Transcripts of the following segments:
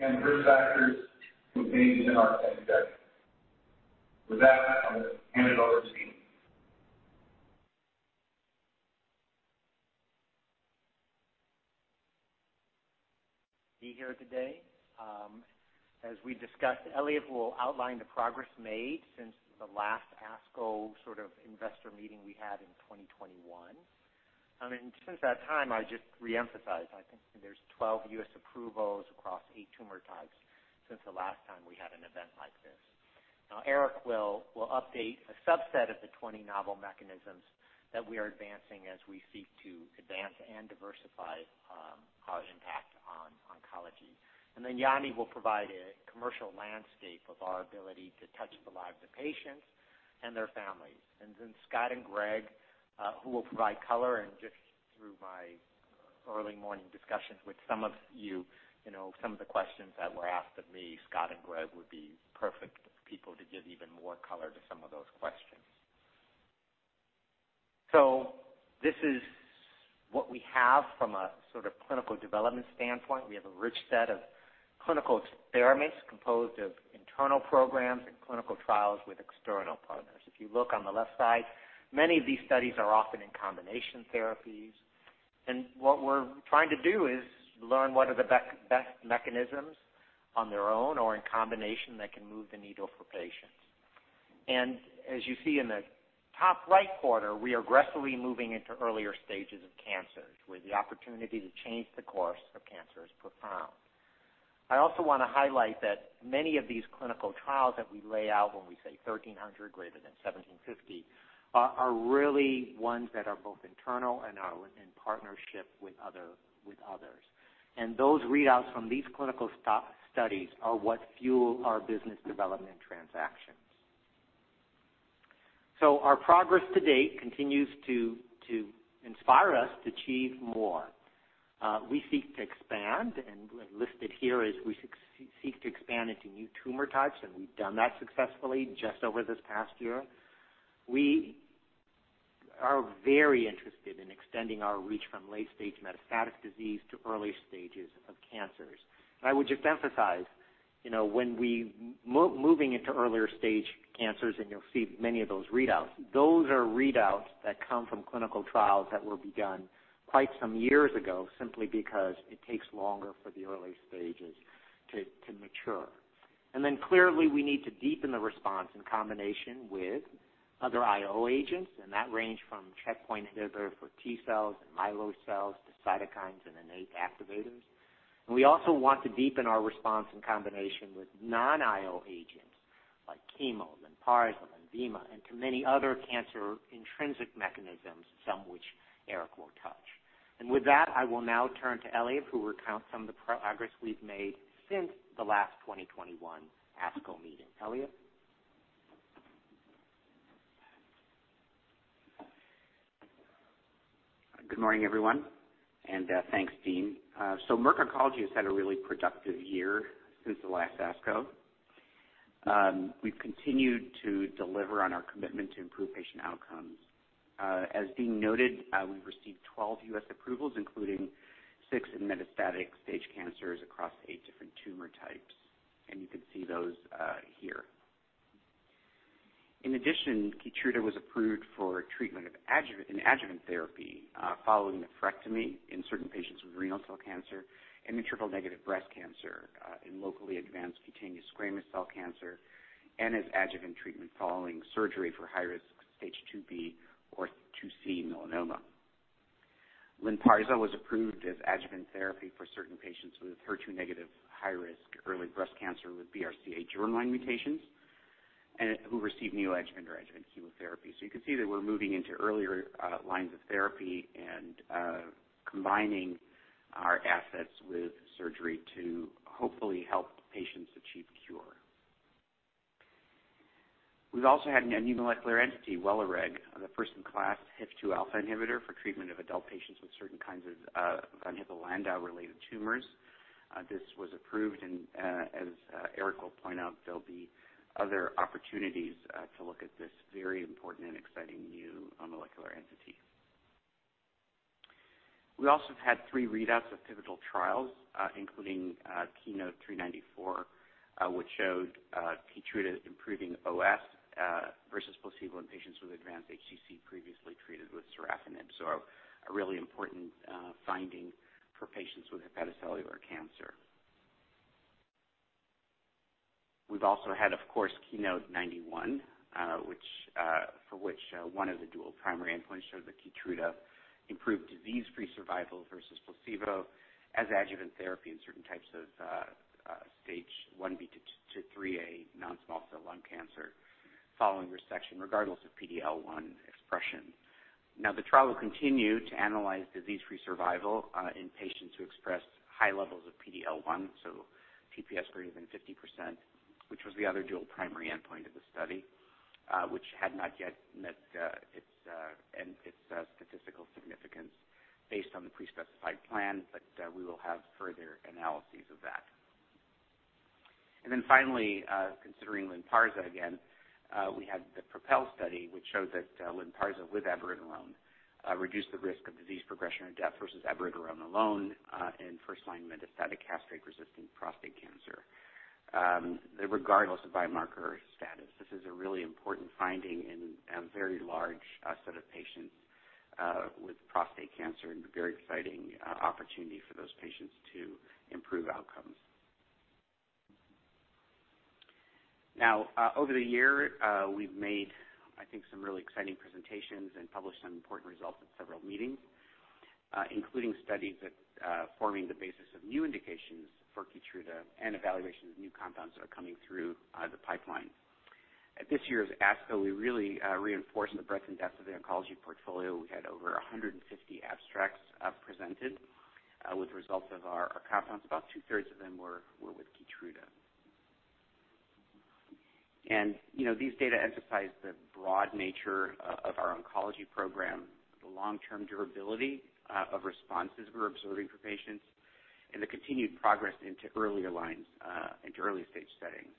Risk factors contained in our 10-K. With that, I'm gonna hand it over to Dean. We're here today. As we discussed, Eliav will outline the progress made since the last ASCO sort of investor meeting we had in 2021. I mean, since that time, I just reemphasize, I think there's 12 U.S. approvals across eight tumor types since the last time we had an event like this. Now, Eric will update a subset of the 20 novel mechanisms that we are advancing as we seek to advance and diversify our impact on oncology. Then Jannie will provide a commercial landscape of our ability to touch the lives of patients and their families. Then Scot and Greg, who will provide color and just through my early morning discussions with some of you know, some of the questions that were asked of me, Scot and Greg would be perfect people to give even more color to some of those questions. This is what we have from a sort of clinical development standpoint. We have a rich set of clinical experiments composed of internal programs and clinical trials with external partners. If you look on the left side, many of these studies are often in combination therapies. What we're trying to do is learn what are the best mechanisms on their own or in combination that can move the needle for patients. As you see in the top right quarter, we are aggressively moving into earlier stages of cancers, where the opportunity to change the course of cancer is profound. I also wanna highlight that many of these clinical trials that we lay out when we say 1,300 greater than 1,750 are really ones that are both internal and in partnership with others. Those readouts from these clinical studies are what fuel our business development transactions. Our progress to date continues to inspire us to achieve more. We seek to expand and listed here is we seek to expand into new tumor types, and we've done that successfully just over this past year. We are very interested in extending our reach from late-stage metastatic disease to early stages of cancers. I would just emphasize, you know, when we moving into earlier stage cancers, and you'll see many of those readouts, those are readouts that come from clinical trials that were begun quite some years ago, simply because it takes longer for the early stages to mature. Clearly, we need to deepen the response in combination with other IO agents, and that range from checkpoint inhibitor for T cells and myeloid cells to cytokines and innate activators. We also want to deepen our response in combination with non-IO agents like chemo, Lynparza, Lenvima, and too many other cancer intrinsic mechanisms, some which Eric will touch. With that, I will now turn to Eliav, who will recount some of the progress we've made since the last 2021 ASCO meeting. Eliav? Good morning, everyone, and thanks, Dean. Merck Oncology has had a really productive year since the last ASCO. We've continued to deliver on our commitment to improve patient outcomes. As Dean noted, we've received 12 U.S. approvals, including six in metastatic stage cancers across eight different tumor types, and you can see those here. In addition, Keytruda was approved for treatment of adjuvant therapy following nephrectomy in certain patients with renal cell cancer and triple-negative breast cancer, in locally advanced cutaneous squamous cell cancer, and as adjuvant treatment following surgery for high-risk stage 2B or 2C melanoma. Lynparza was approved as adjuvant therapy for certain patients with HER2-negative high-risk early breast cancer with BRCA germline mutations and who received neoadjuvant or adjuvant chemotherapy. You can see that we're moving into earlier lines of therapy and combining our assets with surgery to hopefully help patients achieve cure. We've also had a new molecular entity, Welireg, the first-in-class HIF-2 alpha inhibitor for treatment of adult patients with certain kinds of von Hippel-Lindau related tumors. This was approved and, as Eric will point out, there'll be other opportunities to look at this very important and exciting new molecular entity. We also have had three readouts of pivotal trials, including KEYNOTE-394, which showed Keytruda improving OS versus placebo in patients with advanced HCC previously treated with sorafenib. A really important finding for patients with hepatocellular cancer. We've also had, of course, KEYNOTE-091, for which one of the dual primary endpoints showed that Keytruda improved disease-free survival versus placebo as adjuvant therapy in certain types of Stage 1B to 2 to 3A non-small cell lung cancer following resection, regardless of PD-L1 expression. The trial will continue to analyze disease-free survival in patients who express high levels of PD-L1, so TPS greater than 50%, which was the other dual primary endpoint of the study, which had not yet met its statistical significance based on the pre-specified plan, but we will have further analyses of that. Finally, considering Lynparza again, we had the PROPEL study which showed that Lynparza with abiraterone reduced the risk of disease progression or death versus abiraterone alone in first-line metastatic castration-resistant prostate cancer. Regardless of biomarker status, this is a really important finding in a very large set of patients with prostate cancer and a very exciting opportunity for those patients to improve outcomes. Now, over the year, we've made, I think some really exciting presentations and published some important results at several meetings, including studies that forming the basis of new indications for Keytruda and evaluations of new compounds that are coming through the pipeline. At this year's ASCO, we really reinforced the breadth and depth of the oncology portfolio. We had over 150 abstracts presented with results of our compounds. About two-thirds of them were with Keytruda. You know, these data emphasize the broad nature of our oncology program, the long-term durability of responses we're observing for patients and the continued progress into earlier lines into early stage settings.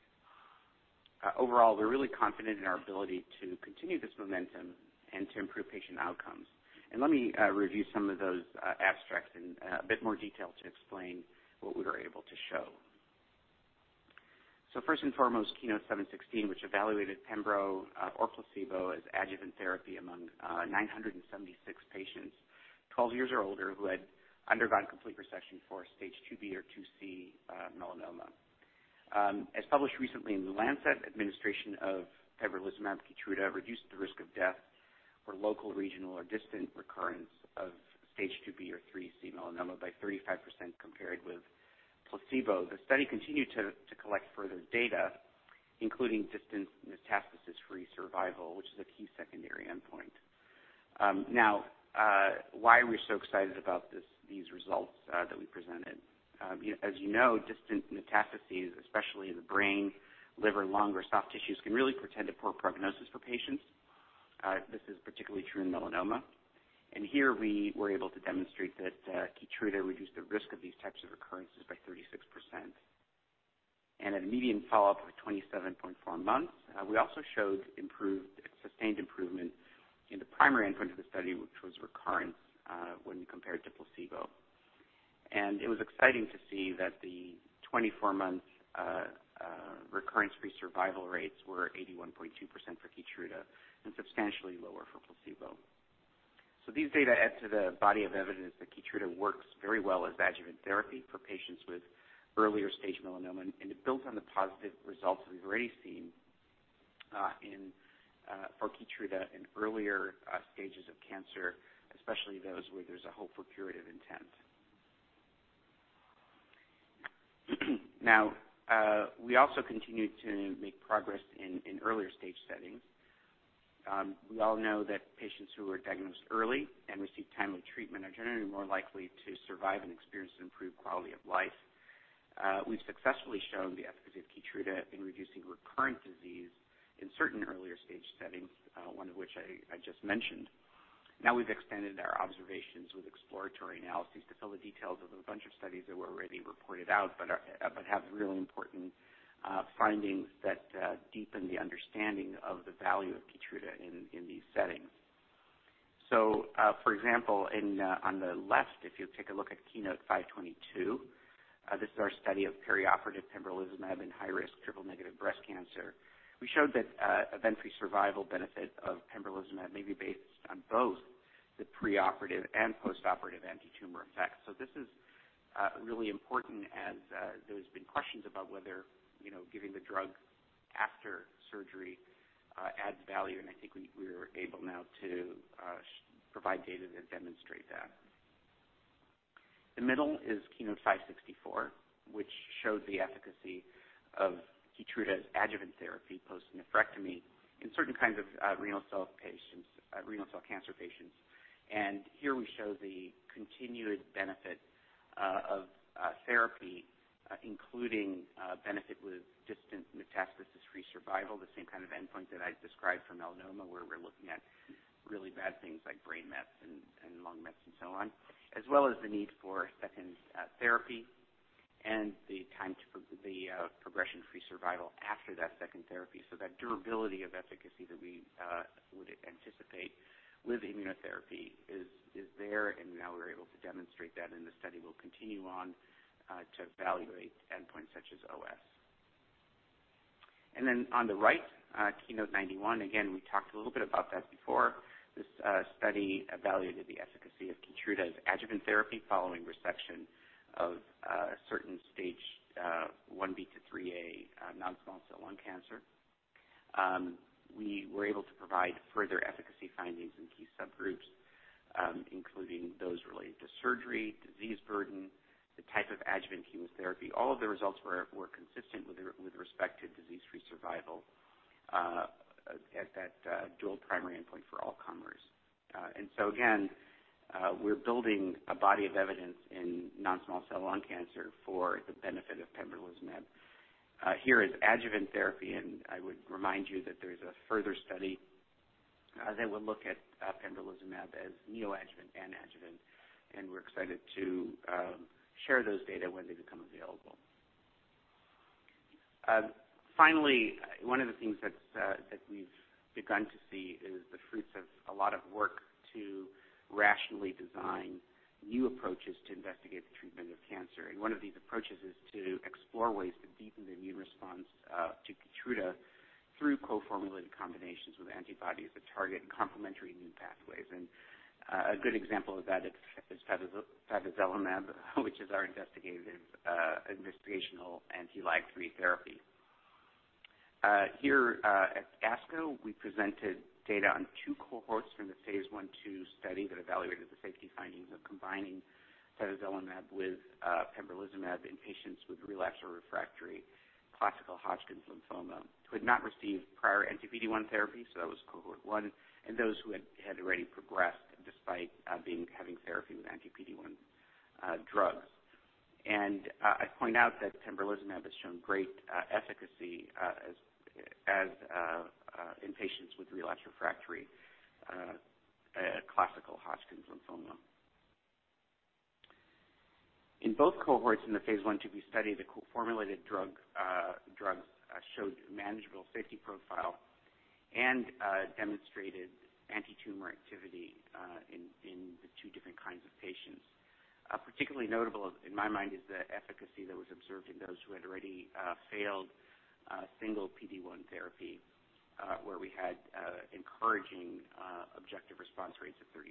Overall, we're really confident in our ability to continue this momentum and to improve patient outcomes. Let me review some of those abstracts in a bit more detail to explain what we were able to show. First and foremost, KEYNOTE-716, which evaluated pembrolizumab or placebo as adjuvant therapy among 976 patients 12 years or older who had undergone complete resection for Stage 2B or 2C melanoma. As published recently in The Lancet, administration of pembrolizumab Keytruda reduced the risk of death for local, regional or distant recurrence of Stage 2B or 3C melanoma by 35% compared with placebo. The study continued to collect further data, including distant metastasis-free survival, which is a key secondary endpoint. Now, why are we so excited about these results that we presented? As you know, distant metastases, especially in the brain, liver, lung or soft tissues can really portend a poor prognosis for patients. This is particularly true in melanoma. Here we were able to demonstrate that Keytruda reduced the risk of these types of recurrences by 36%. At a median follow-up of 27.4 months, we also showed sustained improvement in the primary endpoint of the study, which was recurrence, when compared to placebo. It was exciting to see that the 24-month recurrence-free survival rates were 81.2% for Keytruda and substantially lower for placebo. These data add to the body of evidence that Keytruda works very well as adjuvant therapy for patients with earlier stage melanoma. It builds on the positive results we've already seen in for Keytruda in earlier stages of cancer, especially those where there's a hope for curative intent. Now we also continued to make progress in earlier stage settings. We all know that patients who are diagnosed early and receive timely treatment are generally more likely to survive and experience improved quality of life. We've successfully shown the efficacy of Keytruda in reducing recurrent disease in certain earlier stage settings, one of which I just mentioned. Now we've expanded our observations with exploratory analyses to fill the details of a bunch of studies that were already reported out, but have real important findings that deepen the understanding of the value of Keytruda in these settings. For example, on the left, if you take a look at KEYNOTE-522, this is our study of perioperative pembrolizumab in high-risk triple-negative breast cancer. We showed that event-free survival benefit of pembrolizumab may be based on both the preoperative and postoperative anti-tumor effects. This is really important as there's been questions about whether, you know, giving the drug after surgery adds value. I think we're able now to provide data that demonstrate that. The middle is KEYNOTE-564, which showed the efficacy of Keytruda's adjuvant therapy post nephrectomy in certain kinds of renal cell cancer patients. Here we show the continued benefit of therapy, including benefit with distant metastasis-free survival, the same kind of endpoint that I described for melanoma, where we're looking at really bad things like brain mets and lung mets and so on, as well as the need for second therapy and the time to progression-free survival after that second therapy. That durability of efficacy that we would anticipate with immunotherapy is there, and now we're able to demonstrate that and the study will continue on to evaluate endpoints such as OS. Then on the right, KEYNOTE-091, again, we talked a little bit about that before. This study evaluated the efficacy of Keytruda's adjuvant therapy following resection of certain Stage 1B to 3A non-small cell lung cancer. We were able to provide further efficacy findings in key subgroups, including those related to surgery, disease burden, the type of adjuvant chemotherapy. All of the results were consistent with respect to disease-free survival at that dual primary endpoint for all comers. We're building a body of evidence in non-small cell lung cancer for the benefit of pembrolizumab here in adjuvant therapy, and I would remind you that there's a further study. As I will look at pembrolizumab as neoadjuvant and adjuvant, and we're excited to share those data when they become available. Finally, one of the things that's we've begun to see is the fruits of a lot of work to rationally design new approaches to investigate the treatment of cancer. One of these approaches is to explore ways to deepen the immune response to Keytruda through co-formulated combinations with antibodies that target complementary immune pathways. A good example of that is favezelimab, which is our investigational anti-LAG-3 therapy. Here at ASCO, we presented data on two cohorts from the phase 1/2 study that evaluated the safety findings of combining favezelimab with pembrolizumab in patients with relapsed or refractory classical Hodgkin's lymphoma who had not received prior anti-PD-1 therapy, so that was cohort 1. Those who had already progressed despite having therapy with anti-PD-1 drugs. I point out that pembrolizumab has shown great efficacy as in patients with relapsed refractory classical Hodgkin's lymphoma. In both cohorts in the phase 1/2 we studied, the co-formulated drugs showed manageable safety profile and demonstrated antitumor activity in the two different kinds of patients. Particularly notable in my mind is the efficacy that was observed in those who had already failed single PD-1 therapy, where we had encouraging objective response rates of 30%.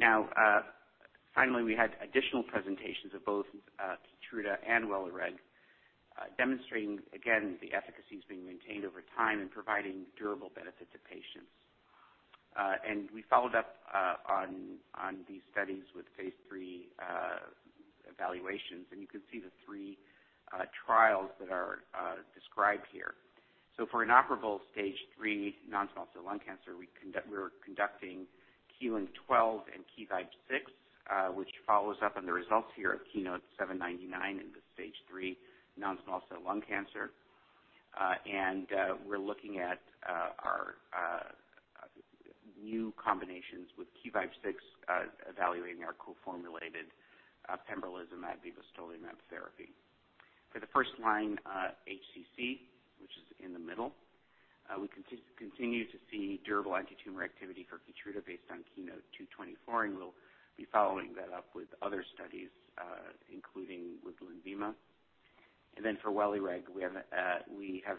Now, finally, we had additional presentations of both Keytruda and Welireg, demonstrating again the efficacy that's been maintained over time in providing durable benefit to patients. We followed up on these studies with phase 3 evaluations, and you can see the three trials that are described here. For inoperable Stage 3 non-small cell lung cancer, we're conducting KEYLYNK-012 and KeyVibe-006, which follows up on the results here of KEYNOTE-799 in the Stage 3 non-small cell lung cancer. We're looking at our new combinations with KeyVibe-006, evaluating our co-formulated pembrolizumab/vibostolimab therapy. For the first-line HCC, which is in the middle, we continue to see durable antitumor activity for Keytruda based on KEYNOTE-224, and we'll be following that up with other studies, including with Lenvima. For Welireg, we have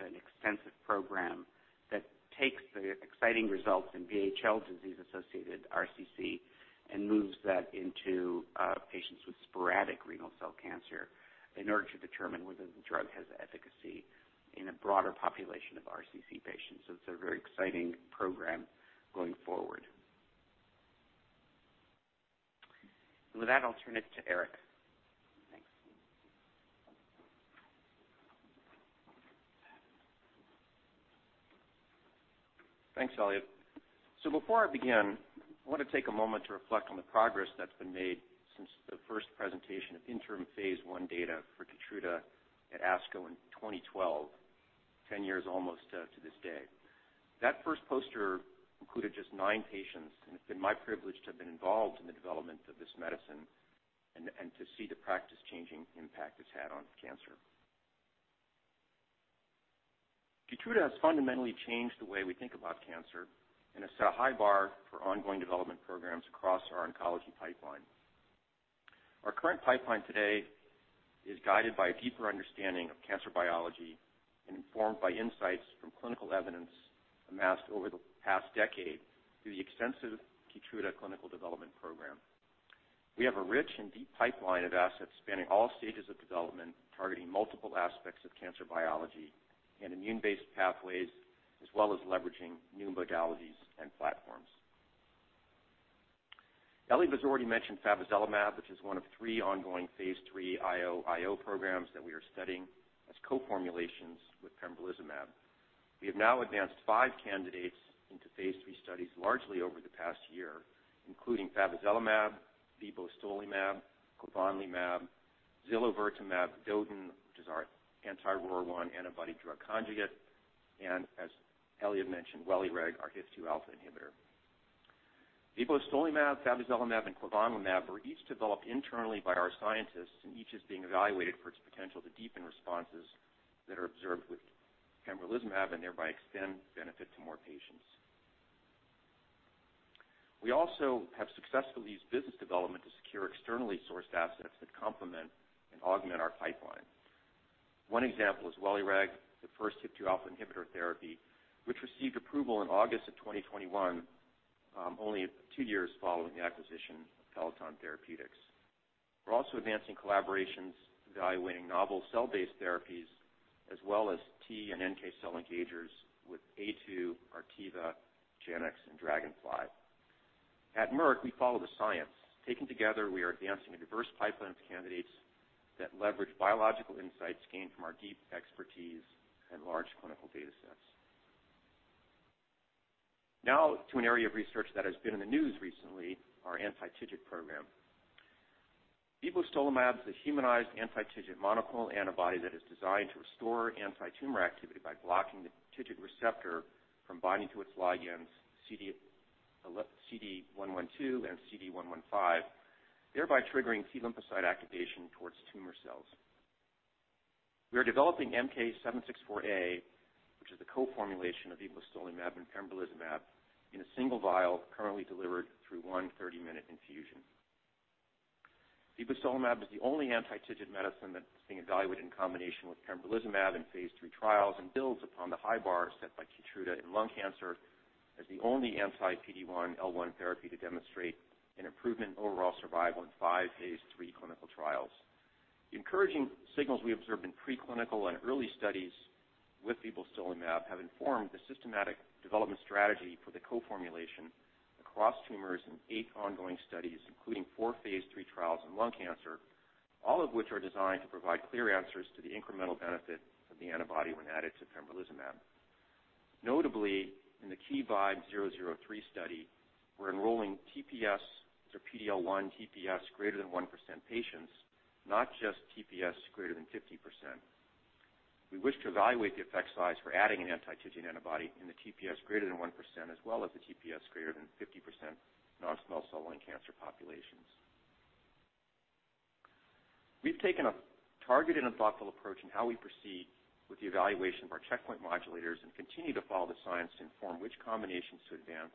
an extensive program that takes the exciting results in VHL disease-associated RCC and moves that into patients with sporadic renal cell cancer in order to determine whether the drug has efficacy in a broader population of RCC patients. It's a very exciting program going forward. With that, I'll turn it to Eric. Thanks. Thanks, Eliav. Before I begin, I wanna take a moment to reflect on the progress that's been made since the first presentation of interim phase I data for Keytruda at ASCO in 2012, 10 years almost to this day. That first poster included just nine patients, and it's been my privilege to have been involved in the development of this medicine and to see the practice-changing impact it's had on cancer. Keytruda has fundamentally changed the way we think about cancer and has set a high bar for ongoing development programs across our oncology pipeline. Our current pipeline today is guided by a deeper understanding of cancer biology and informed by insights from clinical evidence amassed over the past decade through the extensive Keytruda clinical development program. We have a rich and deep pipeline of assets spanning all stages of development, targeting multiple aspects of cancer biology and immune-based pathways, as well as leveraging new modalities and platforms. Eliav has already mentioned favezelimab, which is one of three ongoing phase III IO/IO programs that we are studying as co-formulations with pembrolizumab. We have now advanced 5 candidates into phase 3 studies largely over the past year, including favezelimab, vibostolimab, quavonlimab, zilovertamab vedotin, which is our anti-ROR1 antibody-drug conjugate, and as Eliav mentioned, Welireg, our HIF-2 alpha inhibitor. Vibostolimab, favezelimab, and quavonlimab were each developed internally by our scientists, and each is being evaluated for its potential to deepen responses that are observed with pembrolizumab and thereby extend benefit to more patients. We also have successfully used business development to secure externally sourced assets that complement and augment our pipeline. One example is Welireg, the first HIF-2 alpha inhibitor therapy, which received approval in August of 2021, only two years following the acquisition of Peloton Therapeutics. We're also advancing collaborations evaluating novel cell-based therapies as well as T and NK cell engagers with A2, Artiva, Janux, and Dragonfly. At Merck, we follow the science. Taken together, we are advancing a diverse pipeline of candidates that leverage biological insights gained from our deep expertise and large clinical data sets. Now to an area of research that has been in the news recently, our anti-TIGIT program. Vibostolimab is a humanized anti-TIGIT monoclonal antibody that is designed to restore antitumor activity by blocking the TIGIT receptor from binding to its ligands CD112 and CD155, thereby triggering T lymphocyte activation towards tumor cells. We are developing MK-7684A, which is the co-formulation of vibostolimab and pembrolizumab in a single vial currently delivered through 130-minute infusion. Vibostolimab is the only anti-TIGIT medicine that's being evaluated in combination with pembrolizumab in phase III trials and builds upon the high bar set by Keytruda in lung cancer as the only anti-PD-1/PD-L1 therapy to demonstrate an improvement in overall survival in five phase III clinical trials. The encouraging signals we observed in preclinical and early studies with vibostolimab have informed the systematic development strategy for the co-formulation across tumors in eight ongoing studies, including four phase III trials in lung cancer, all of which are designed to provide clear answers to the incremental benefit of the antibody when added to pembrolizumab. Notably, in the KeyVibe-003 study, we're enrolling TPS or PD-L1 TPS greater than 1% patients, not just TPS greater than 50%. We wish to evaluate the effect size for adding an anti-TIGIT antibody in the TPS greater than 1% as well as the TPS greater than 50% non-small cell lung cancer populations. We've taken a targeted and thoughtful approach in how we proceed with the evaluation of our checkpoint modulators and continue to follow the science to inform which combinations to advance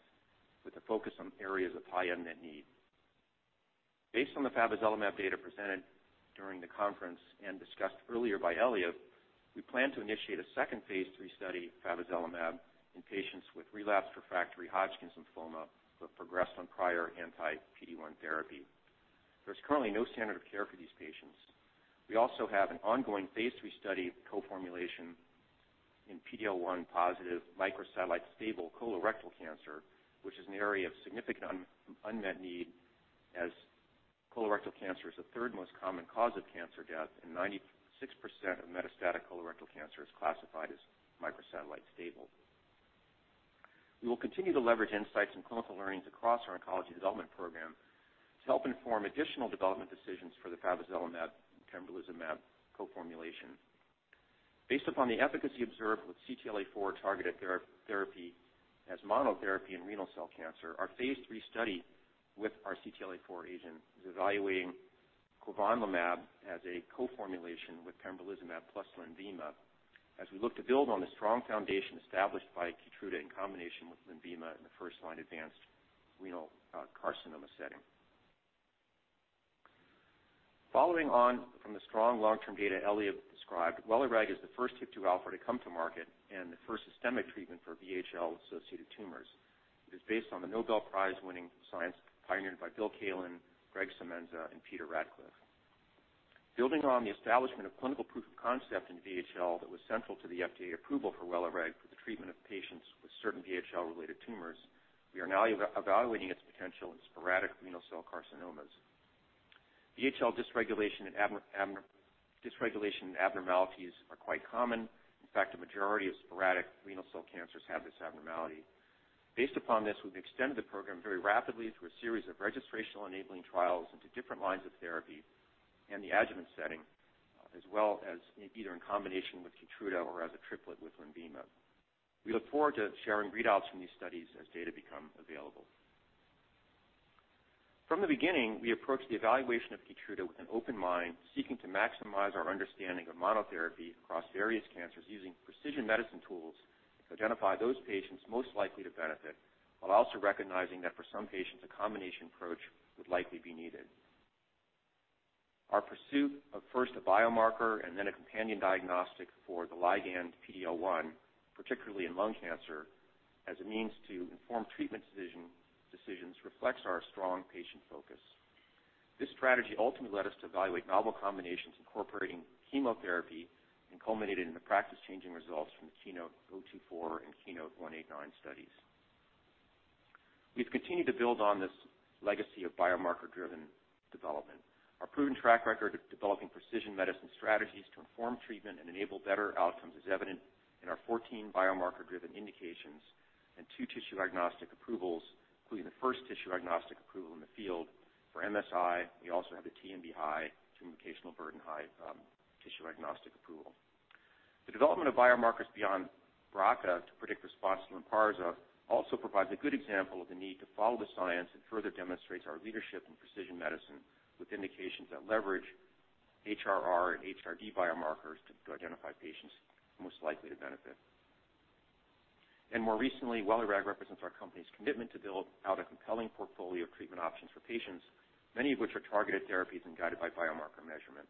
with a focus on areas of high unmet need. Based on the favezelimab data presented during the conference and discussed earlier by Eliav, we plan to initiate a second phase III study of favezelimab in patients with relapsed refractory Hodgkin's lymphoma who have progressed on prior anti-PD-1 therapy. There's currently no standard of care for these patients. We also have an ongoing phase III study of co-formulation in PD-L1 positive microsatellite stable colorectal cancer, which is an area of significant unmet need as colorectal cancer is the third most common cause of cancer death, and 96% of metastatic colorectal cancer is classified as microsatellite stable. We will continue to leverage insights and clinical learnings across our oncology development program to help inform additional development decisions for the favezelimab and pembrolizumab co-formulation. Based upon the efficacy observed with CTLA-4 targeted therapy as monotherapy in renal cell cancer, our phase III study with our CTLA-4 agent is evaluating quavonlimab as a co-formulation with pembrolizumab plus Lenvima as we look to build on the strong foundation established by Keytruda in combination with Lenvima in the first-line advanced renal carcinoma setting. Following on from the strong long-term data Eliav described, Welireg is the first HIF-2α to come to market and the first systemic treatment for VHL-associated tumors. It is based on the Nobel Prize-winning science pioneered by Bill Kaelin, Greg Semenza, and Peter Ratcliffe. Building on the establishment of clinical proof of concept in VHL that was central to the FDA approval for Welireg for the treatment of patients with certain VHL-related tumors, we are now evaluating its potential in sporadic renal cell carcinomas. VHL dysregulation and abnormalities are quite common. In fact, a majority of sporadic renal cell cancers have this abnormality. Based upon this, we've extended the program very rapidly through a series of registrational enabling trials into different lines of therapy in the adjuvant setting, as well as either in combination with Keytruda or as a triplet with Lenvima. We look forward to sharing readouts from these studies as data become available. From the beginning, we approached the evaluation of Keytruda with an open mind, seeking to maximize our understanding of monotherapy across various cancers using precision medicine tools to identify those patients most likely to benefit, while also recognizing that for some patients, a combination approach would likely be needed. Our pursuit of first a biomarker and then a companion diagnostic for the ligand PD-L1, particularly in lung cancer as a means to inform treatment decisions reflects our strong patient focus. This strategy ultimately led us to evaluate novel combinations incorporating chemotherapy and culminated in the practice-changing results from the KEYNOTE-024 and KEYNOTE-189 studies. We've continued to build on this legacy of biomarker-driven development. Our proven track record of developing precision medicine strategies to inform treatment and enable better outcomes is evident in our 14 biomarker-driven indications and two tissue agnostic approvals, including the first tissue agnostic approval in the field for MSI. We also have the TMB high, tumor mutational burden high, tissue agnostic approval. The development of biomarkers beyond BRCA to predict response to Lynparza also provides a good example of the need to follow the science and further demonstrates our leadership in precision medicine with indications that leverage HRR and HRD biomarkers to identify patients most likely to benefit. More recently, Welireg represents our company's commitment to build out a compelling portfolio of treatment options for patients, many of which are targeted therapies and guided by biomarker measurement.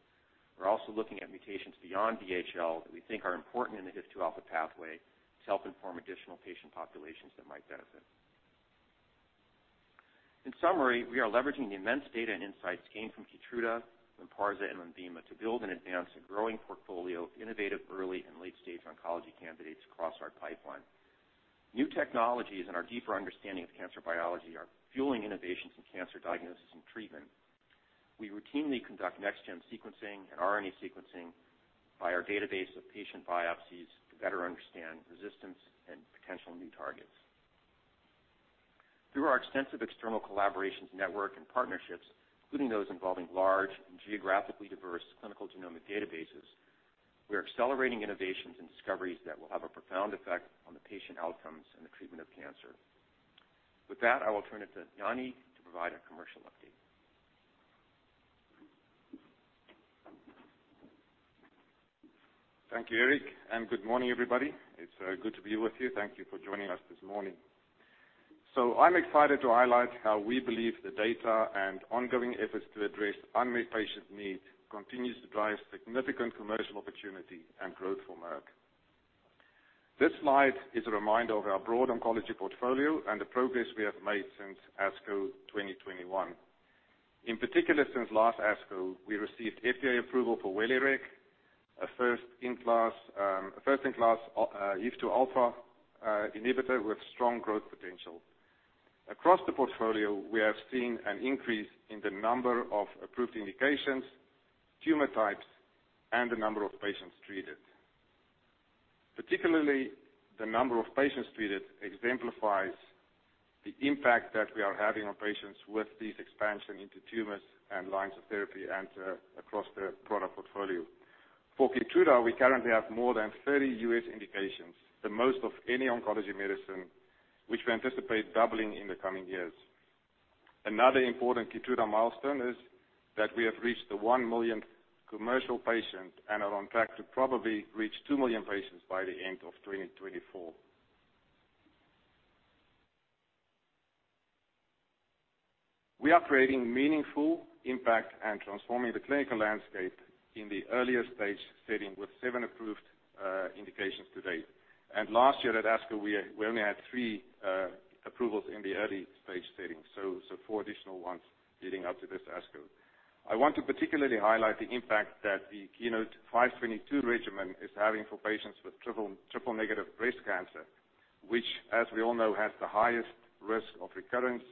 We're also looking at mutations beyond VHL that we think are important in the HIF-2 alpha pathway to help inform additional patient populations that might benefit. In summary, we are leveraging the immense data and insights gained from Keytruda, Lynparza, and Lenvima to build and advance a growing portfolio of innovative early and late-stage oncology candidates across our pipeline. New technologies and our deeper understanding of cancer biology are fueling innovations in cancer diagnosis and treatment. We routinely conduct next-gen sequencing and RNA sequencing on our database of patient biopsies to better understand resistance and potential new targets. Through our extensive external collaborations network and partnerships, including those involving large and geographically diverse clinical genomic databases, we are accelerating innovations and discoveries that will have a profound effect on the patient outcomes and the treatment of cancer. With that, I will turn it to Jannie to provide a commercial update. Thank you, Eric, and good morning, everybody. It's good to be with you. Thank you for joining us this morning. I'm excited to highlight how we believe the data and ongoing efforts to address unmet patient needs continues to drive significant commercial opportunity and growth for Merck. This slide is a reminder of our broad oncology portfolio and the progress we have made since ASCO 2021. In particular, since last ASCO, we received FDA approval for WELIREG, a first-in-class HIF-2α inhibitor with strong growth potential. Across the portfolio, we have seen an increase in the number of approved indications, tumor types, and the number of patients treated. Particularly, the number of patients treated exemplifies the impact that we are having on patients with this expansion into tumors and lines of therapy and across the product portfolio. For Keytruda, we currently have more than 30 U.S. indications, the most of any oncology medicine, which we anticipate doubling in the coming years. Another important Keytruda milestone is that we have reached the 1 millionth commercial patient and are on track to probably reach 2 million patients by the end of 2024. We are creating meaningful impact and transforming the clinical landscape in the earlier stage setting with seven approved indications to date. Last year at ASCO, we only had three approvals in the early stage setting, so four additional ones leading up to this ASCO. I want to particularly highlight the impact that the KEYNOTE-522 regimen is having for patients with triple negative breast cancer, which as we all know, has the highest risk of recurrence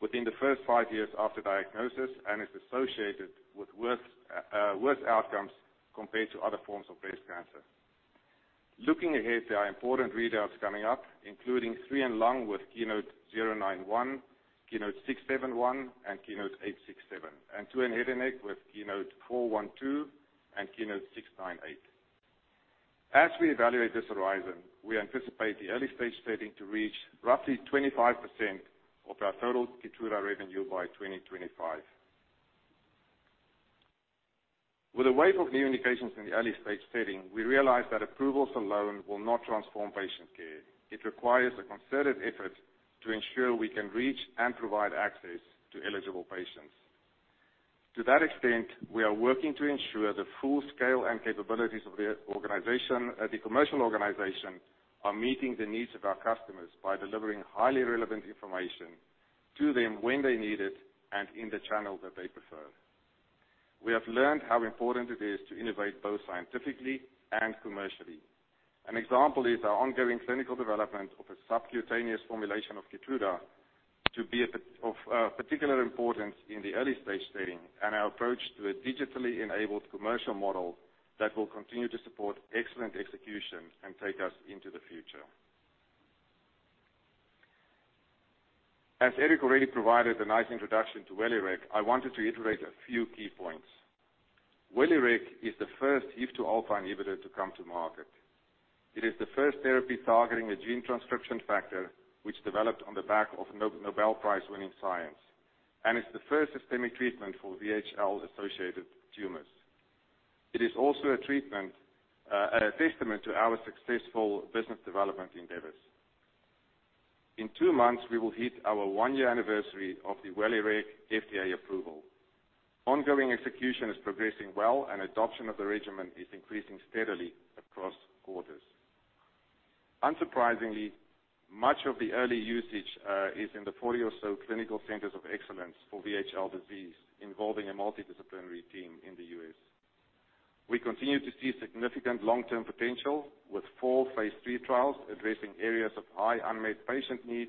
within the first five years after diagnosis and is associated with worse outcomes compared to other forms of breast cancer. Looking ahead, there are important readouts coming up, including three in lung with KEYNOTE-091, KEYNOTE-671, and KEYNOTE-867, and two in head and neck with KEYNOTE-412 and KEYNOTE-698. As we evaluate this horizon, we anticipate the early stage setting to reach roughly 25% of our total Keytruda revenue by 2025. With a wave of new indications in the early stage setting, we realize that approvals alone will not transform patient care. It requires a concerted effort to ensure we can reach and provide access to eligible patients. To that extent, we are working to ensure the full scale and capabilities of the organization, the commercial organization are meeting the needs of our customers by delivering highly relevant information to them when they need it and in the channel that they prefer. We have learned how important it is to innovate both scientifically and commercially. An example is our ongoing clinical development of a subcutaneous formulation of Keytruda to be of particular importance in the early stage setting and our approach to a digitally enabled commercial model that will continue to support excellent execution and take us into the future. As Eric already provided a nice introduction to Welireg, I wanted to iterate a few key points. Welireg is the first HIF-2α inhibitor to come to market. It is the first therapy targeting a gene transcription factor which developed on the back of Nobel Prize-winning science, and it's the first systemic treatment for VHL-associated tumors. It is also a treatment, a testament to our successful business development endeavors. In two months, we will hit our one-year anniversary of the Welireg FDA approval. Ongoing execution is progressing well, and adoption of the regimen is increasing steadily across quarters. Unsurprisingly, much of the early usage is in the 40 or so clinical centers of excellence for VHL disease, involving a multidisciplinary team in the U.S. We continue to see significant long-term potential with four phase III trials addressing areas of high unmet patient need,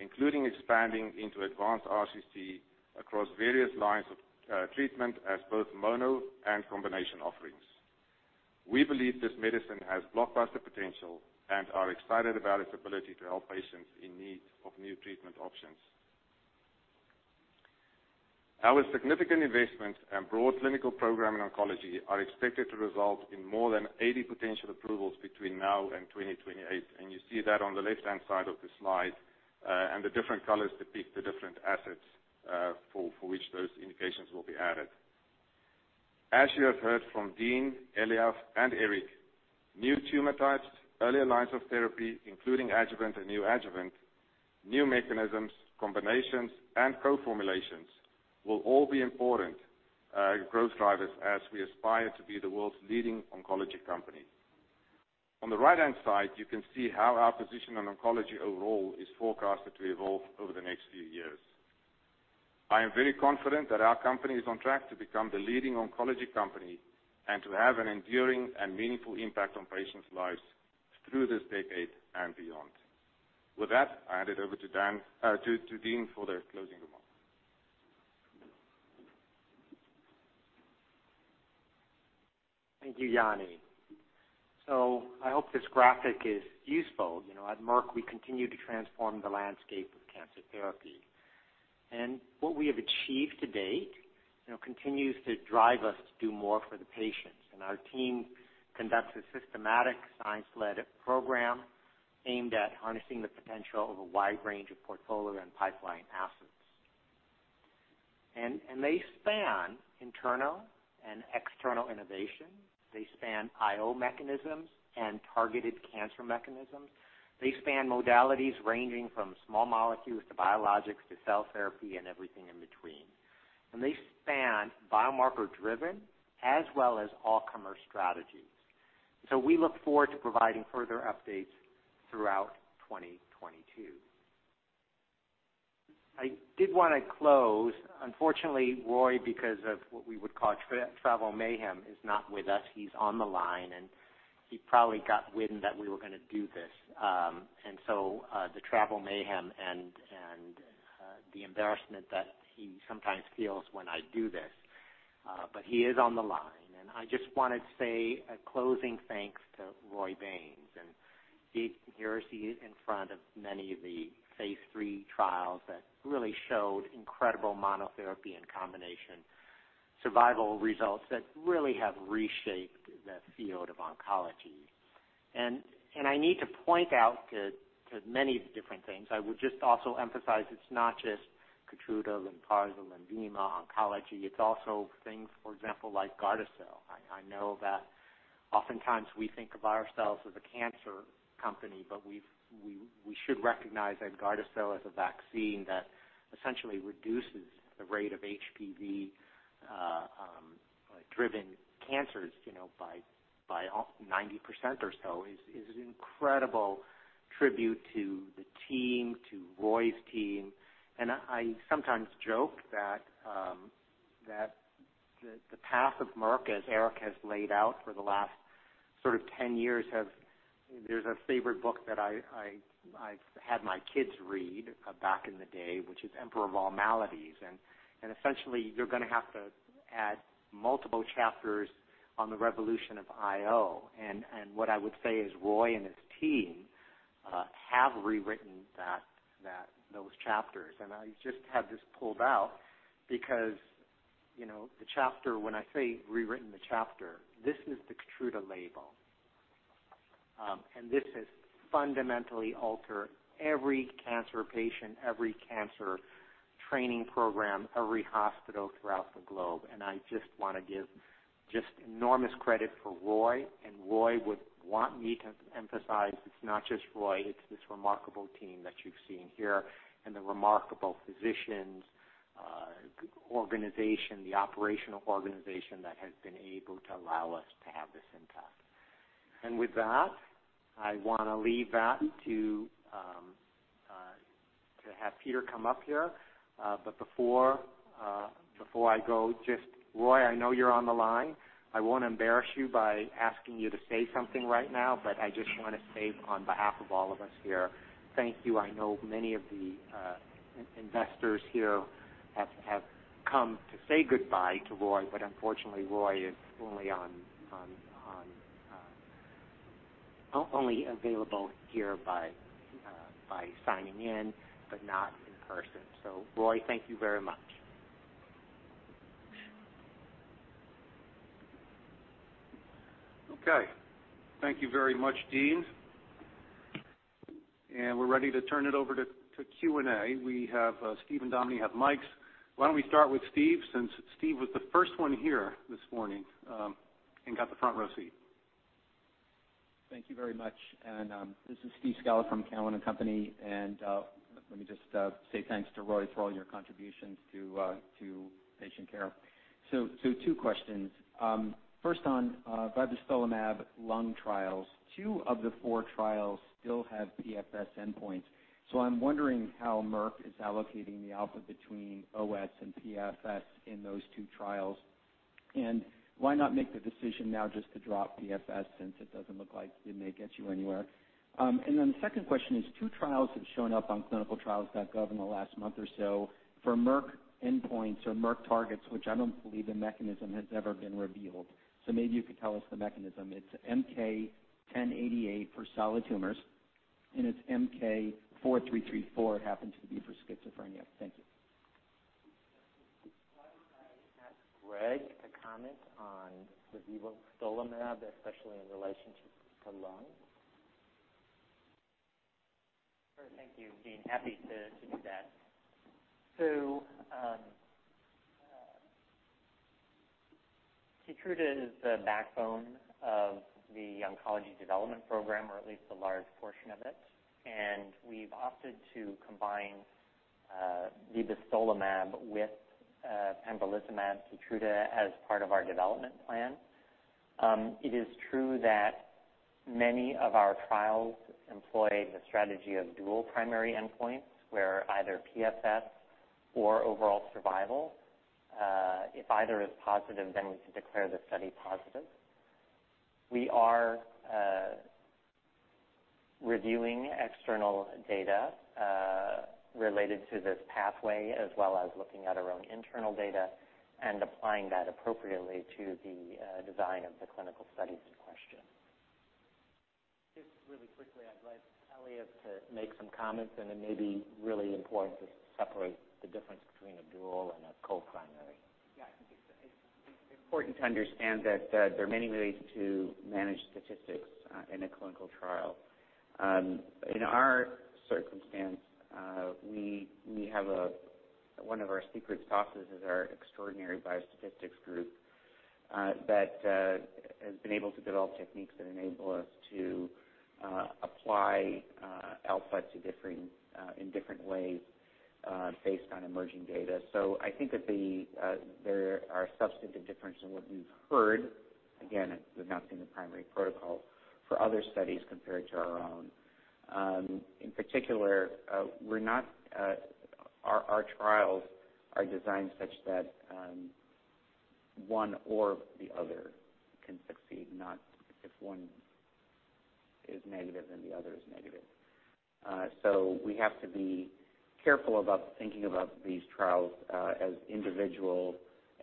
including expanding into advanced RCC across various lines of treatment as both mono and combination offerings. We believe this medicine has blockbuster potential and are excited about its ability to help patients in need of new treatment options. Our significant investment and broad clinical program in oncology are expected to result in more than 80 potential approvals between now and 2028, and you see that on the left-hand side of the slide, and the different colors depict the different assets for which those indications will be added. As you have heard from Dean, Eliav, and Eric, new tumor types, earlier lines of therapy, including adjuvant and new adjuvant, new mechanisms, combinations, and co-formulations will all be important growth drivers as we aspire to be the world's leading oncology company. On the right-hand side, you can see how our position on oncology overall is forecasted to evolve over the next few years. I am very confident that our company is on track to become the leading oncology company and to have an enduring and meaningful impact on patients' lives through this decade and beyond. With that, I hand it over to Dean for the closing remarks. Thank you, Jannie. I hope this graphic is useful. You know, at Merck, we continue to transform the landscape of cancer therapy. What we have achieved to date, you know, continues to drive us to do more for the patients. Our team conducts a systematic science-led program aimed at harnessing the potential of a wide range of portfolio and pipeline assets. They span internal and external innovation. They span IO mechanisms and targeted cancer mechanisms. They span modalities ranging from small molecules to biologics to cell therapy and everything in between. They span biomarker-driven as well as all-comer strategies. We look forward to providing further updates throughout 2022. I did wanna close. Unfortunately, Roy, because of what we would call travel mayhem, is not with us. He's on the line, and he probably got wind that we were gonna do this, the travel mayhem and the embarrassment that he sometimes feels when I do this. He is on the line, and I just wanna say a closing thanks to Roy Baynes. Here he is in front of many of the phase three trials that really showed incredible monotherapy and combination survival results that really have reshaped the field of oncology. I need to point out to many different things. I would just also emphasize it's not just Keytruda, Lynparza, Lenvima oncology, it's also things, for example, like GARDASIL. I know that oftentimes we think of ourselves as a cancer company, but we should recognize that GARDASIL is a vaccine that essentially reduces the rate of HPV driven cancers by 90% or so, which is an incredible tribute to the team, to Roy's team. I sometimes joke that the path of Merck, as Eric has laid out for the last sort of 10 years, have. There's a favorite book that I had my kids read back in the day, which is The Emperor of All Maladies, and essentially you're gonna have to add multiple chapters on the revolution of IO. What I would say is Roy and his team have rewritten those chapters. I just had this pulled out because, you know, the chapter, when I say rewritten the chapter, this is the Keytruda label. This has fundamentally altered every cancer patient, every cancer training program, every hospital throughout the globe. I just wanna give just enormous credit for Roy, and Roy would want me to emphasize it's not just Roy, it's this remarkable team that you've seen here and the remarkable physicians, organization, the operational organization that has been able to allow us to have this impact. With that, I wanna leave that to have Peter come up here. But before I go, just Roy, I know you're on the line. I won't embarrass you by asking you to say something right now, but I just wanna say on behalf of all of us here, thank you. I know many of the investors here have come to say goodbye to Roy, but unfortunately, Roy is only available here by signing in, but not in person. Roy, thank you very much. Okay. Thank you very much, Dean. We're ready to turn it over to Q&A. We have Steve and Dominic have mics. Why don't we start with Steve since Steve was the first one here this morning, and got the front row seat. Thank you very much. This is Steve Scala from TD Cowen, and let me just say thanks to Roy for all your contributions to patient care. Two questions. First on vibostolimab lung trials, two of the four trials still have PFS endpoints, so I'm wondering how Merck is allocating the output between OS and PFS in those two trials. Why not make the decision now just to drop PFS since it doesn't look like it may get you anywhere? The second question is two trials have shown up on ClinicalTrials.gov in the last month or so for Merck endpoints or Merck targets, which I don't believe the mechanism has ever been revealed. Maybe you could tell us the mechanism. It's MK-1088 for solid tumors, and it's MK-4334, it happens to be for schizophrenia. Thank you. Why don't I ask Greg to comment on the vibostolimab, especially in relationship to lung? Sure. Thank you, Dean. Happy to do that. Keytruda is the backbone of the oncology development program or at least a large portion of it, and we've opted to combine vibostolimab with pembrolizumab, Keytruda, as part of our development plan. It is true that many of our trials employ the strategy of dual primary endpoints, where either PFS or overall survival, if either is positive, then we can declare the study positive. We are reviewing external data related to this pathway as well as looking at our own internal data and applying that appropriately to the design of the clinical studies in question. Just really quickly, I'd like Eliav to make some comments, and it may be really important to separate the difference between a dual and a co-primary. Yeah, I think it's important to understand that there are many ways to manage statistics in a clinical trial. In our circumstance, we have one of our secret sauces is our extraordinary biostatistics group that has been able to develop techniques that enable us to apply output to differing in different ways based on emerging data. I think that there are substantive differences in what we've heard, again, we've not seen the primary protocol for other studies compared to our own. In particular, our trials are designed such that one or the other can succeed, not if one is negative, then the other is negative. We have to be careful about thinking about these trials as individual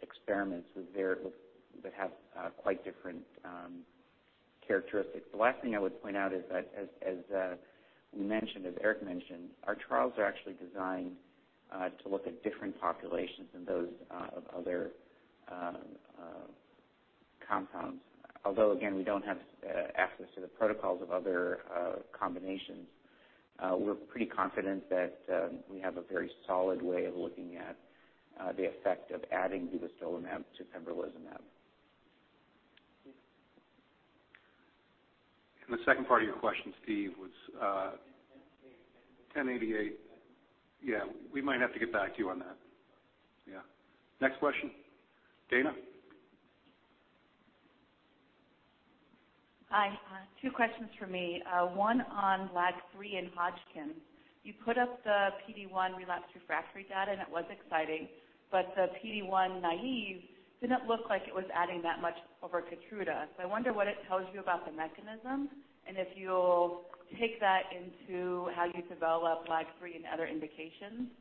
experiments that have quite different characteristics. The last thing I would point out is that as we mentioned, as Eric mentioned, our trials are actually designed to look at different populations than those of other compounds. Although again, we don't have access to the protocols of other combinations, we're pretty confident that we have a very solid way of looking at the effect of adding vibostolimab to pembrolizumab. Steve? The second part of your question, Steve, was. 1088. MK-1088. Yeah, we might have to get back to you on that. Yeah. Next question. Dana? Hi. Two questions from me. One on LAG-3 and Hodgkin's. You put up the PD-1 relapsed refractory data, and it was exciting, but the PD-1 naive did not look like it was adding that much over Keytruda. I wonder what it tells you about the mechanism, and if you'll take that into how you develop LAG-3 and other indications.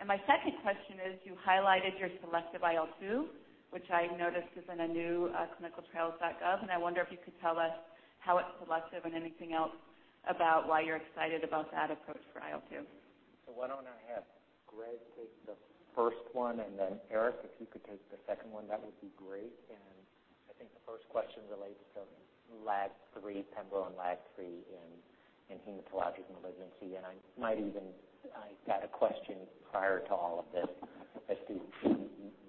My second question is, you highlighted your selective IL-2, which I noticed is in a new, clinicaltrials.gov, and I wonder if you could tell us how it's selective and anything else about why you're excited about that approach for IL-2. Why don't I have Greg take the first one, and then Eric, if you could take the second one, that would be great. I think the first question relates to LAG-3, pembro and LAG-3 in hematologic malignancy. I got a question prior to all of this as to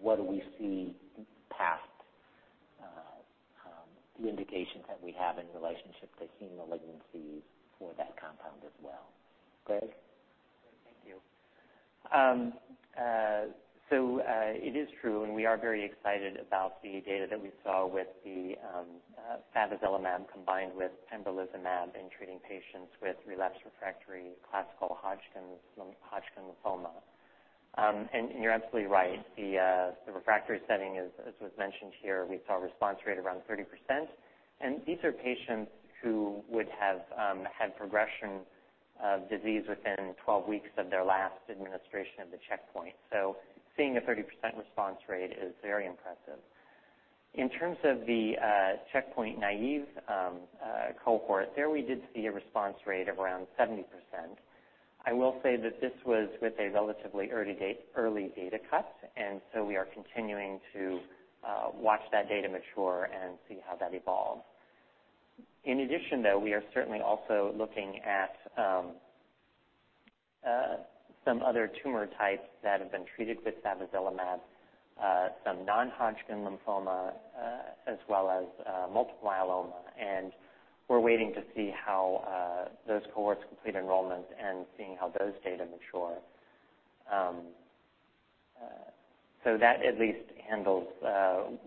what do we see past the indications that we have in relationship to heme malignancies for that compound as well. Greg? Great. Thank you. It is true, and we are very excited about the data that we saw with the favezelimab combined with pembrolizumab in treating patients with relapsed refractory classical Hodgkin lymphoma. You're absolutely right. The refractory setting, as was mentioned here, we saw a response rate around 30%. These are patients who would have had progression of disease within 12 weeks of their last administration of the checkpoint. Seeing a 30% response rate is very impressive. In terms of the checkpoint naive cohort, there we did see a response rate of around 70%. I will say that this was with a relatively early data cut, and so we are continuing to watch that data mature and see how that evolves. In addition, though, we are certainly also looking at some other tumor types that have been treated with favezelimab, some non-Hodgkin lymphoma, as well as multiple myeloma. We're waiting to see how those cohorts complete enrollment and seeing how those data mature. That at least handles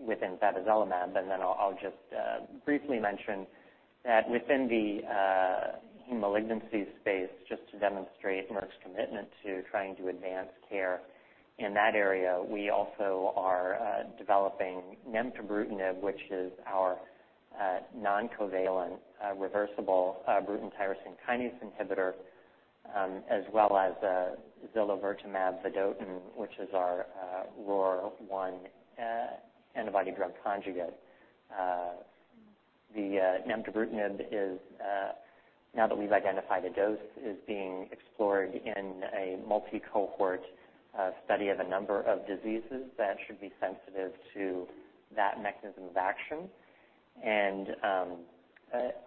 within favezelimab. Then I'll just briefly mention that within the heme malignancy space, just to demonstrate Merck's commitment to trying to advance care in that area, we also are developing nemtabrutinib, which is our non-covalent reversible Bruton's tyrosine kinase inhibitor, as well as zilovertamab vedotin, which is our ROR1 antibody-drug conjugate. The nemtabrutinib, now that we've identified a dose, is being explored in a multi-cohort study of a number of diseases that should be sensitive to that mechanism of action.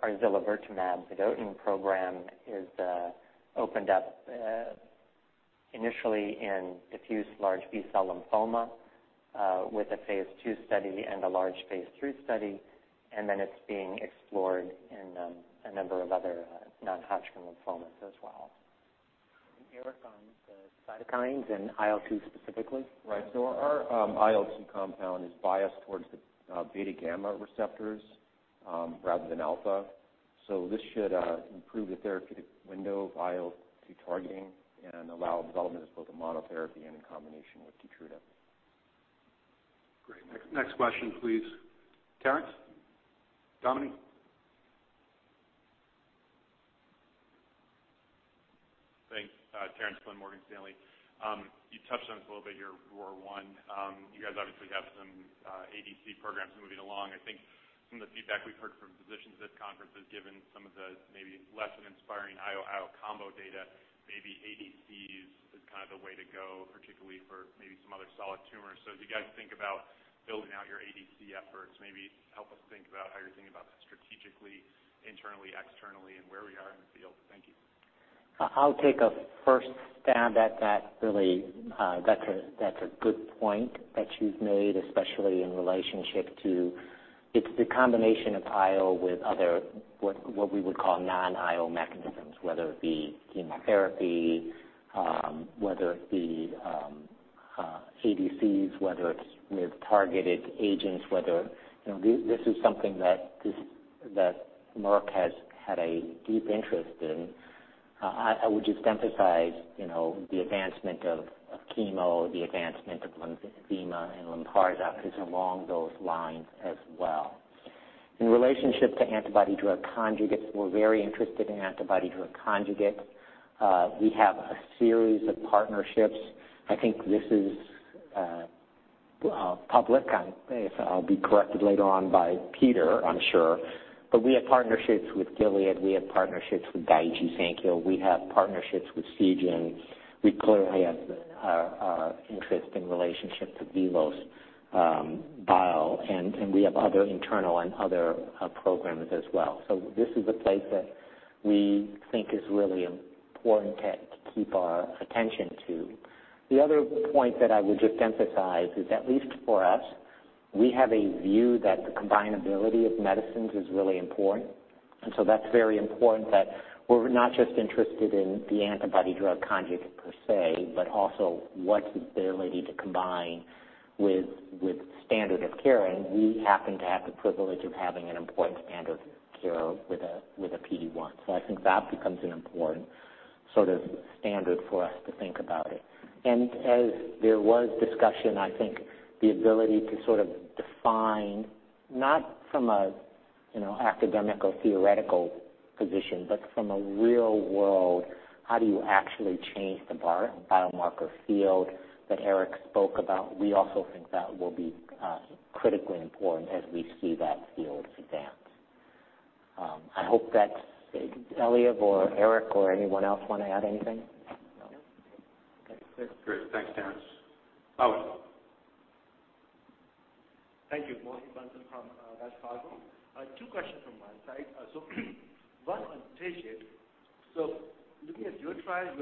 Our zilovertamab vedotin program is opened up initially in diffuse large B-cell lymphoma with a phase II study and a large phase III study, and then it's being explored in a number of other non-Hodgkin lymphomas as well. Eric, on the cytokines and IL-2 specifically? Right. Our IL-2 compound is biased towards the beta gamma receptors rather than alpha. This should improve the therapeutic window of IL-2 targeting and allow development of both a monotherapy and in combination with Keytruda. Great. Next question please. Terence Flynn? Thanks. Terence Flynn, Morgan Stanley. You touched on this a little bit here, ROR1. You guys obviously have some ADC programs moving along. I think some of the feedback we've heard from physicians at conferences, given some of the maybe less than inspiring IO/IO combo data, maybe ADCs is kind of the way to go, particularly for maybe some other solid tumors. As you guys think about building out your ADC efforts, maybe help us think about how you're thinking about strategically, internally, externally, and where we are in the field. Thank you. I'll take a first stab at that. Really, that's a good point that you've made, especially in relation to the combination of IO with other, what we would call non-IO mechanisms, whether it be chemotherapy, whether it be ADCs, whether it's with targeted agents, you know, this is something that Merck has had a deep interest in. I would just emphasize, you know, the advancement of chemo, the advancement of lymphoma and lymphomas is along those lines as well. In relation to antibody-drug conjugates, we're very interested in antibody-drug conjugates. We have a series of partnerships. I think this is public. If I'll be corrected later on by Peter, I'm sure. We have partnerships with Gilead, we have partnerships with Daiichi Sankyo, we have partnerships with Seagen. We clearly have an interesting relationship to VelosBio, and we have other internal and other programs as well. This is a place that we think is really important to keep our attention to. The other point that I would just emphasize is, at least for us, we have a view that the combinability of medicines is really important. That's very important that we're not just interested in the antibody drug conjugate per se, but also what's their ability to combine with standard of care. We happen to have the privilege of having an important standard of care with a PD-1. I think that becomes an important sort of standard for us to think about it. As there was discussion, I think the ability to sort of define, not from a, you know, academic or theoretical position, but from a real world, how do you actually change the biomarker field that Eric spoke about. We also think that will be critically important as we see that field advance. I hope that's Eliav or Eric or anyone else wanna add anything? Great. Thanks, Terence. Mohit. Thank you. Mohit Bansal from B of A. Two questions from my side. One on TIGIT. Looking at your trials,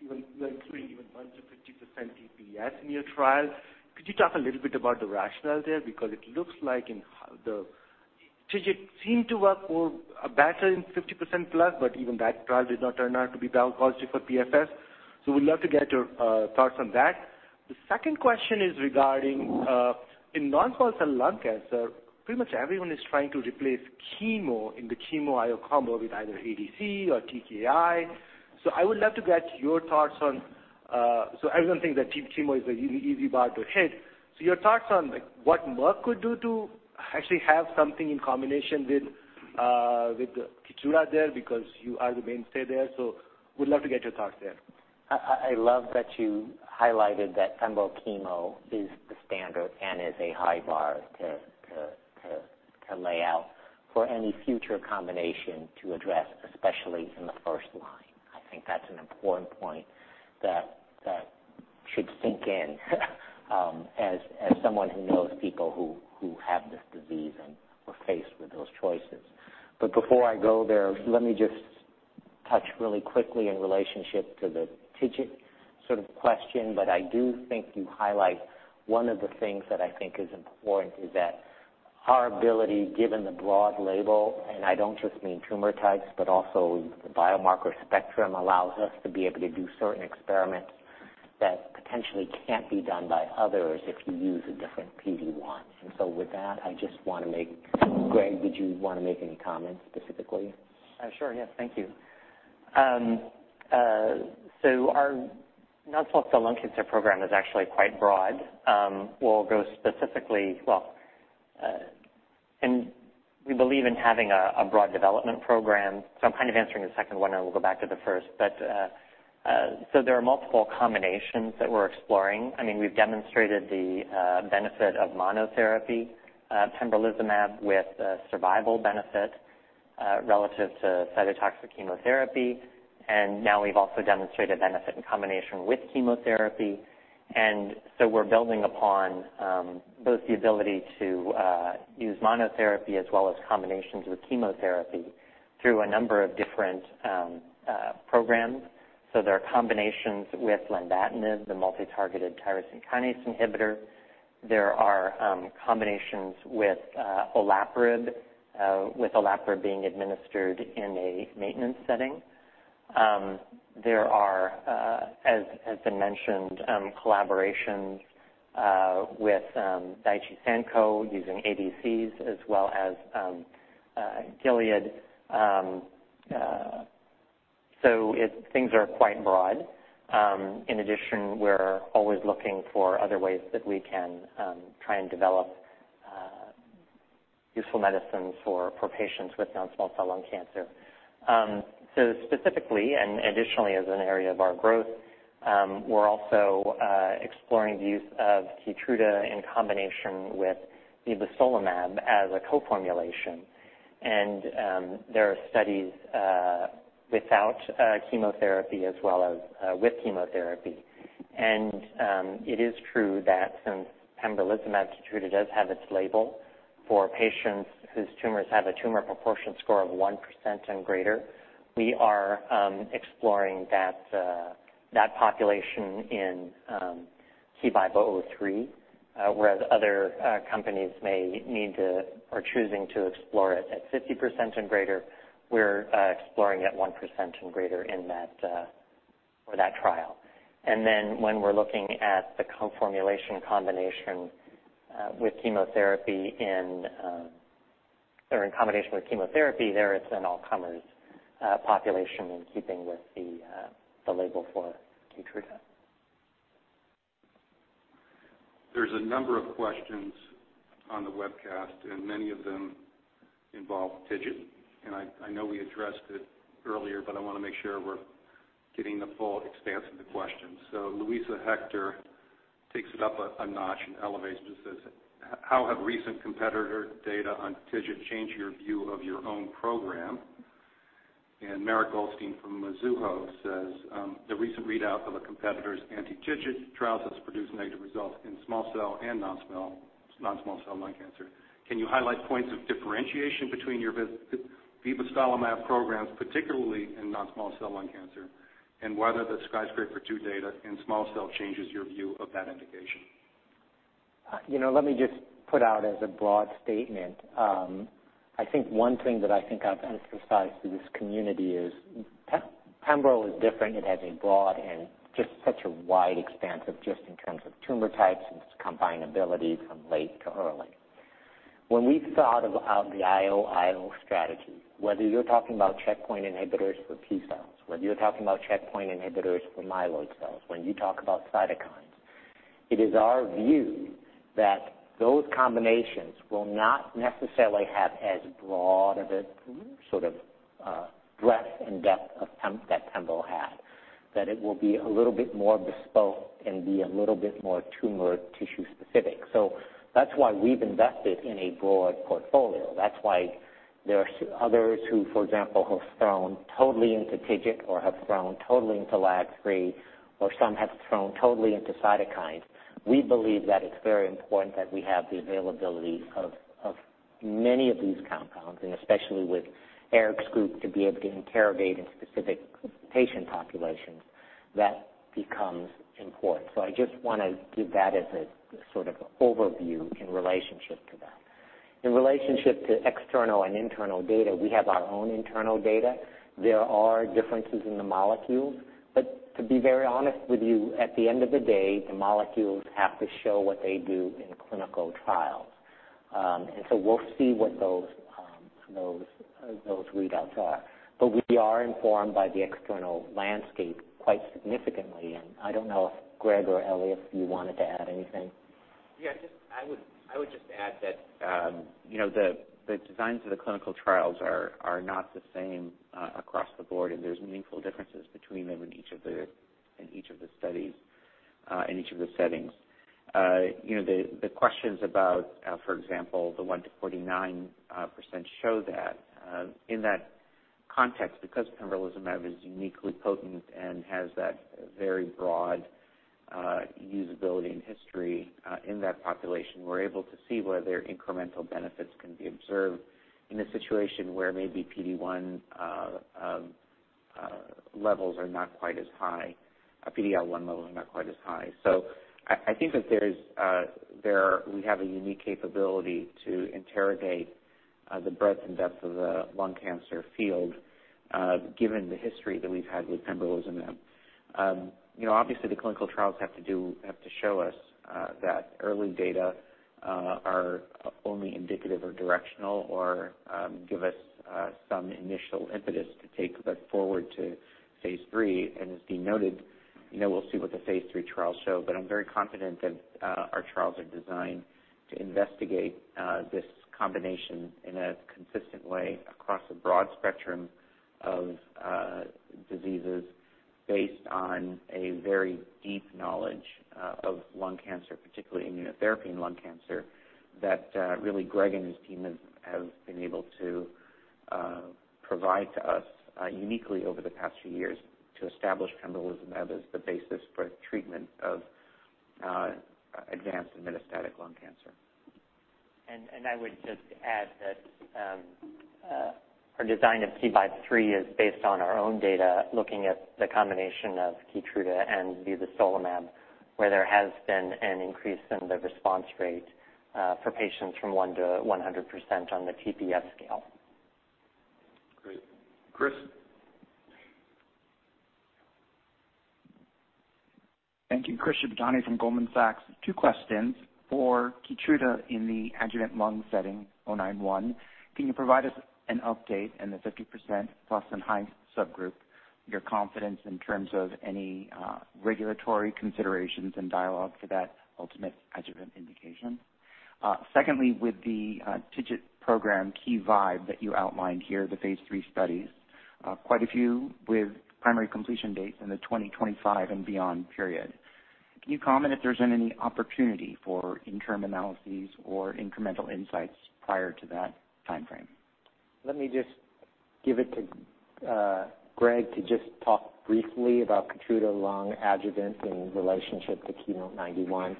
you are including 1%-50% TPS in your trial. Could you talk a little bit about the rationale there? Because it looks like TIGIT seemed to work more better in 50%+, but even that trial did not turn out to be positive for PFS. We'd love to get your thoughts on that. The second question is regarding non-small cell lung cancer. Pretty much everyone is trying to replace chemo in the chemo IO combo with either ADC or TKI. I would love to get your thoughts on everyone thinks that chemo is an easy bar to hit. Your thoughts on, like, what Merck could do to actually have something in combination with Keytruda there, because you are the mainstay there. Would love to get your thoughts there. I love that you highlighted that pembro chemo is the standard and is a high bar to lay out for any future combination to address, especially in the first line. I think that's an important point that should sink in, as someone who knows people who have this disease and are faced with those choices. Before I go there, let me just touch really quickly in relationship to the TIGIT sort of question, but I do think you highlight one of the things that I think is important is that our ability, given the broad label, and I don't just mean tumor types, but also the biomarker spectrum, allows us to be able to do certain experiments that potentially can't be done by others if you use a different PD-1. With that, I just wanna make, Greg, did you wanna make any comments specifically? Sure, yes. Thank you. So our non-small cell lung cancer program is actually quite broad. We believe in having a broad development program. I'm kind of answering the second one, and we'll go back to the first. There are multiple combinations that we're exploring. I mean, we've demonstrated the benefit of monotherapy, pembrolizumab with survival benefit relative to cytotoxic chemotherapy. Now we've also demonstrated benefit in combination with chemotherapy. We're building upon both the ability to use monotherapy as well as combinations with chemotherapy through a number of different programs. There are combinations with lenvatinib, the multi-targeted tyrosine kinase inhibitor. There are combinations with olaparib, with olaparib being administered in a maintenance setting. There are, as has been mentioned, collaborations with Daiichi Sankyo using ADCs as well as Gilead. Things are quite broad. In addition, we're always looking for other ways that we can try and develop useful medicines for patients with non-small cell lung cancer. Specifically, and additionally as an area of our growth, we're also exploring the use of Keytruda in combination with vibostolimab as a co-formulation. There are studies without chemotherapy as well as with chemotherapy. It is true that since pembrolizumab Keytruda does have its label for patients whose tumors have a tumor proportion score of 1% and greater, we are exploring that population in KeyVibe-003, whereas other companies may need to or choosing to explore it at 50% and greater. We're exploring at 1% and greater in that for that trial. Then when we're looking at the co-formulation combination with chemotherapy or in combination with chemotherapy, there it's an all-comers population in keeping with the label for Keytruda. There's a number of questions on the webcast, and many of them involve TIGIT. I know we addressed it earlier, but I wanna make sure we're getting the full expanse of the question. Luisa Hector takes it up a notch and elevates it. It says, "How have recent competitor data on TIGIT changed your view of your own program?" Mara Goldstein from Mizuho says, "The recent readout of a competitor's anti-TIGIT trials has produced negative results in small cell and non-small cell lung cancer. Can you highlight points of differentiation between your vibostolimab programs, particularly in non-small cell lung cancer, and whether the SKYSCRAPER-02 data in small cell changes your view of that indication? You know, let me just put out as a broad statement. I think one thing that I think I've emphasized to this community is pembro is different. It has a broad and just such a wide expanse of just in terms of tumor types and its combinability from late to early. When we thought about the IO/IO strategy, whether you're talking about checkpoint inhibitors for T-cells, whether you're talking about checkpoint inhibitors for myeloid cells, when you talk about cytokines, it is our view that those combinations will not necessarily have as broad of a sort of breadth and depth of tempo that pembro has. That it will be a little bit more bespoke and be a little bit more tumor tissue specific. That's why we've invested in a broad portfolio. That's why there are others who, for example, have thrown totally into TIGIT or have thrown totally into LAG-3, or some have thrown totally into cytokines. We believe that it's very important that we have the availability of many of these compounds, and especially with Eric's group to be able to interrogate in specific patient populations, that becomes important. I just wanna give that as a sort of overview in relationship to that. In relationship to external and internal data, we have our own internal data. There are differences in the molecules. To be very honest with you, at the end of the day, the molecules have to show what they do in clinical trials. We'll see what those readouts are. We are informed by the external landscape quite significantly. I don't know if Greg or Eliav, you wanted to add anything? Yeah, just I would just add that, you know, the designs of the clinical trials are not the same across the board, and there's meaningful differences between them in each of the studies in each of the settings. You know, the questions about, for example, the 1%-49% show that in that context, because pembrolizumab is uniquely potent and has that very broad usability and history in that population, we're able to see whether incremental benefits can be observed in a situation where maybe PD-1 levels are not quite as high, PD-L1 levels are not quite as high. I think that we have a unique capability to interrogate the breadth and depth of the lung cancer field, given the history that we've had with pembrolizumab. You know, obviously the clinical trials have to show us that early data are only indicative or directional or give us some initial impetus to take that forward to phase three. As Dean noted, you know, we'll see what the phase three trials show. I'm very confident that our trials are designed to investigate this combination in a consistent way across a broad spectrum of diseases based on a very deep knowledge of lung cancer, particularly immunotherapy and lung cancer, that really Greg and his team have been able to provide to us uniquely over the past few years to establish pembrolizumab as the basis for treatment of advanced metastatic lung cancer. I would just add that our design of KeyVibe-003 is based on our own data, looking at the combination of Keytruda and vibostolimab, where there has been an increase in the response rate for patients from 1%-100% on the TPS scale. Great. Chris? Thank you. Chris Schott from Goldman Sachs. Two questions for Keytruda in the adjuvant lung setting, KEYNOTE-091. Can you provide us an update in the 50% plus in high subgroup, your confidence in terms of any regulatory considerations and dialogue for that ultimate adjuvant indication? Secondly, with the TIGIT program KeyVibe that you outlined here, the phase III studies, quite a few with primary completion dates in the 2025 and beyond period. Can you comment if there's any opportunity for interim analyses or incremental insights prior to that timeframe? Let me just give it to Greg to just talk briefly about Keytruda lung adjuvant in relationship to KEYNOTE-091.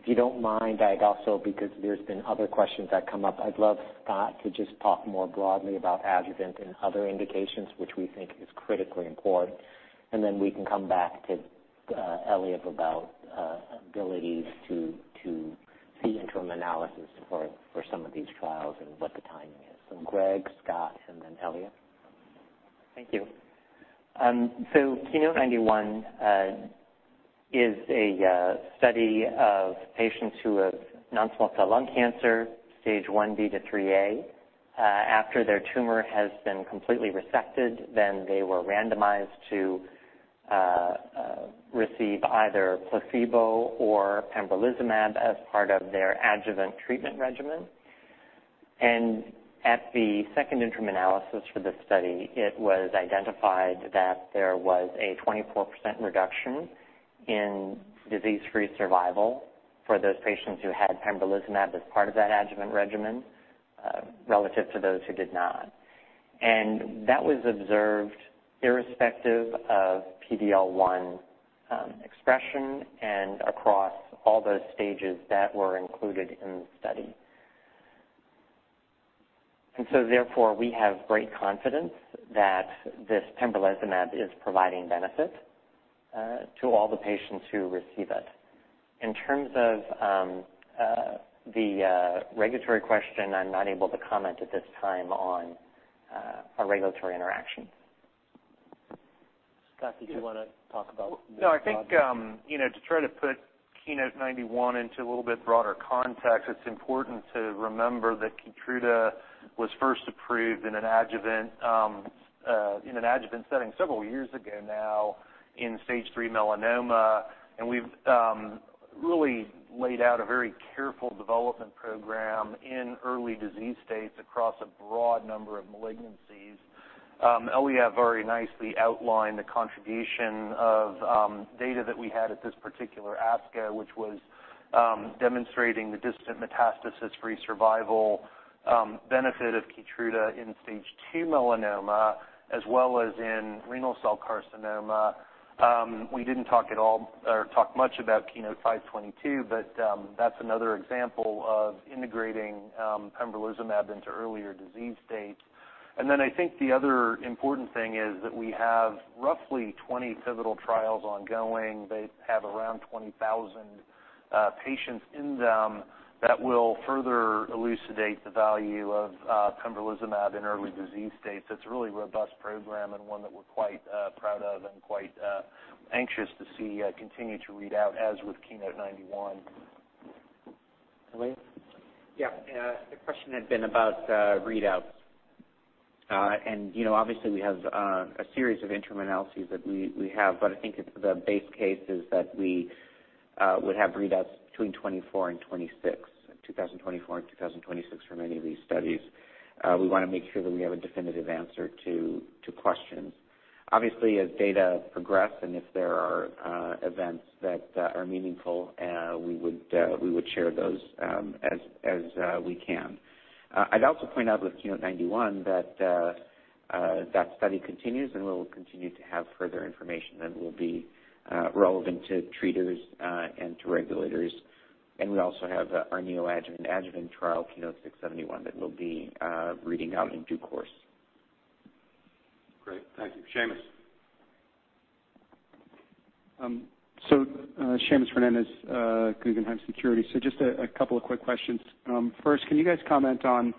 If you don't mind, I'd also, because there's been other questions that come up, I'd love Scot to just talk more broadly about adjuvant and other indications, which we think is critically important. Then we can come back to Eliav about abilities to see interim analysis for some of these trials and what the timing is. Greg, Scot, and then Eliav. Thank you. KEYNOTE-091 is a study of patients who have non-small cell lung cancer, Stage IB to IIIA. After their tumor has been completely resected, they were randomized to receive either placebo or pembrolizumab as part of their adjuvant treatment regimen. At the second interim analysis for this study, it was identified that there was a 24% reduction in disease-free survival for those patients who had pembrolizumab as part of that adjuvant regimen, relative to those who did not. That was observed irrespective of PD-L1 expression and across all those stages that were included in the study. Therefore, we have great confidence that this pembrolizumab is providing benefit to all the patients who receive it. In terms of the regulatory question, I'm not able to comment at this time on our regulatory interaction. Scot, did you wanna talk about this broadly? No, I think, you know, to try to put KEYNOTE-091 into a little bit broader context, it's important to remember that Keytruda was first approved in an adjuvant setting several years ago now in Stage 3 melanoma. We've really laid out a very careful development program in early disease states across a broad number of malignancies. Eli have very nicely outlined the contribution of data that we had at this particular ASCO, which was demonstrating the distant metastasis-free survival benefit of Keytruda in Stage 2 melanoma, as well as in renal cell carcinoma. We didn't talk at all or talk much about KEYNOTE-522, but that's another example of integrating pembrolizumab into earlier disease states. I think the other important thing is that we have roughly 20 pivotal trials ongoing. They have around 20,000 patients in them that will further elucidate the value of pembrolizumab in early disease states. It's a really robust program and one that we're quite proud of and quite anxious to see continue to read out as with KEYNOTE-091. Eliav? The question had been about readouts. You know, obviously we have a series of interim analyses that we have, but I think it's the base case is that we would have readouts between 2024 and 2026 for many of these studies. We wanna make sure that we have a definitive answer to questions. Obviously, as data progress and if there are events that are meaningful, we would share those as we can. I'd also point out with KEYNOTE-091 that study continues and we'll continue to have further information that will be relevant to treaters and to regulators. We also have our neoadjuvant adjuvant trial, KEYNOTE-671, that will be reading out in due course. Great. Thank you. Seamus. Seamus Fernandez, Guggenheim Securities. Just a couple of quick questions. First, can you guys comment on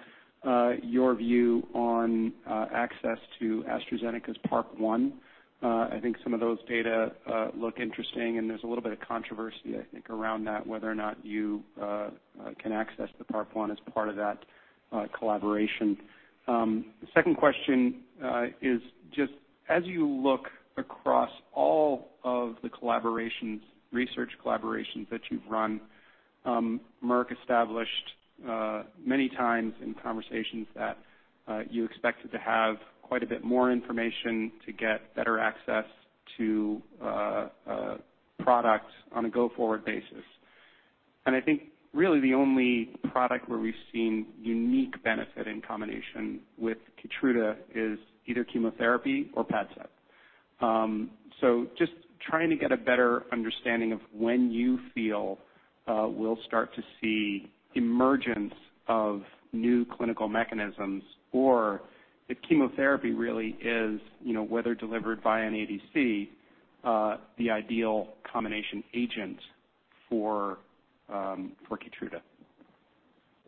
your view on access to AstraZeneca's PARP1? I think some of those data look interesting and there's a little bit of controversy I think around that, whether or not you can access the PARP1 as part of that collaboration. The second question is just as you look across all of the collaborations, research collaborations that you've run, Merck established many times in conversations that you expected to have quite a bit more information to get better access to products on a go-forward basis. I think really the only product where we've seen unique benefit in combination with Keytruda is either chemotherapy or PADCEV. Just trying to get a better understanding of when you feel we'll start to see emergence of new clinical mechanisms or if chemotherapy really is, you know, whether delivered by an ADC, the ideal combination agent for Keytruda?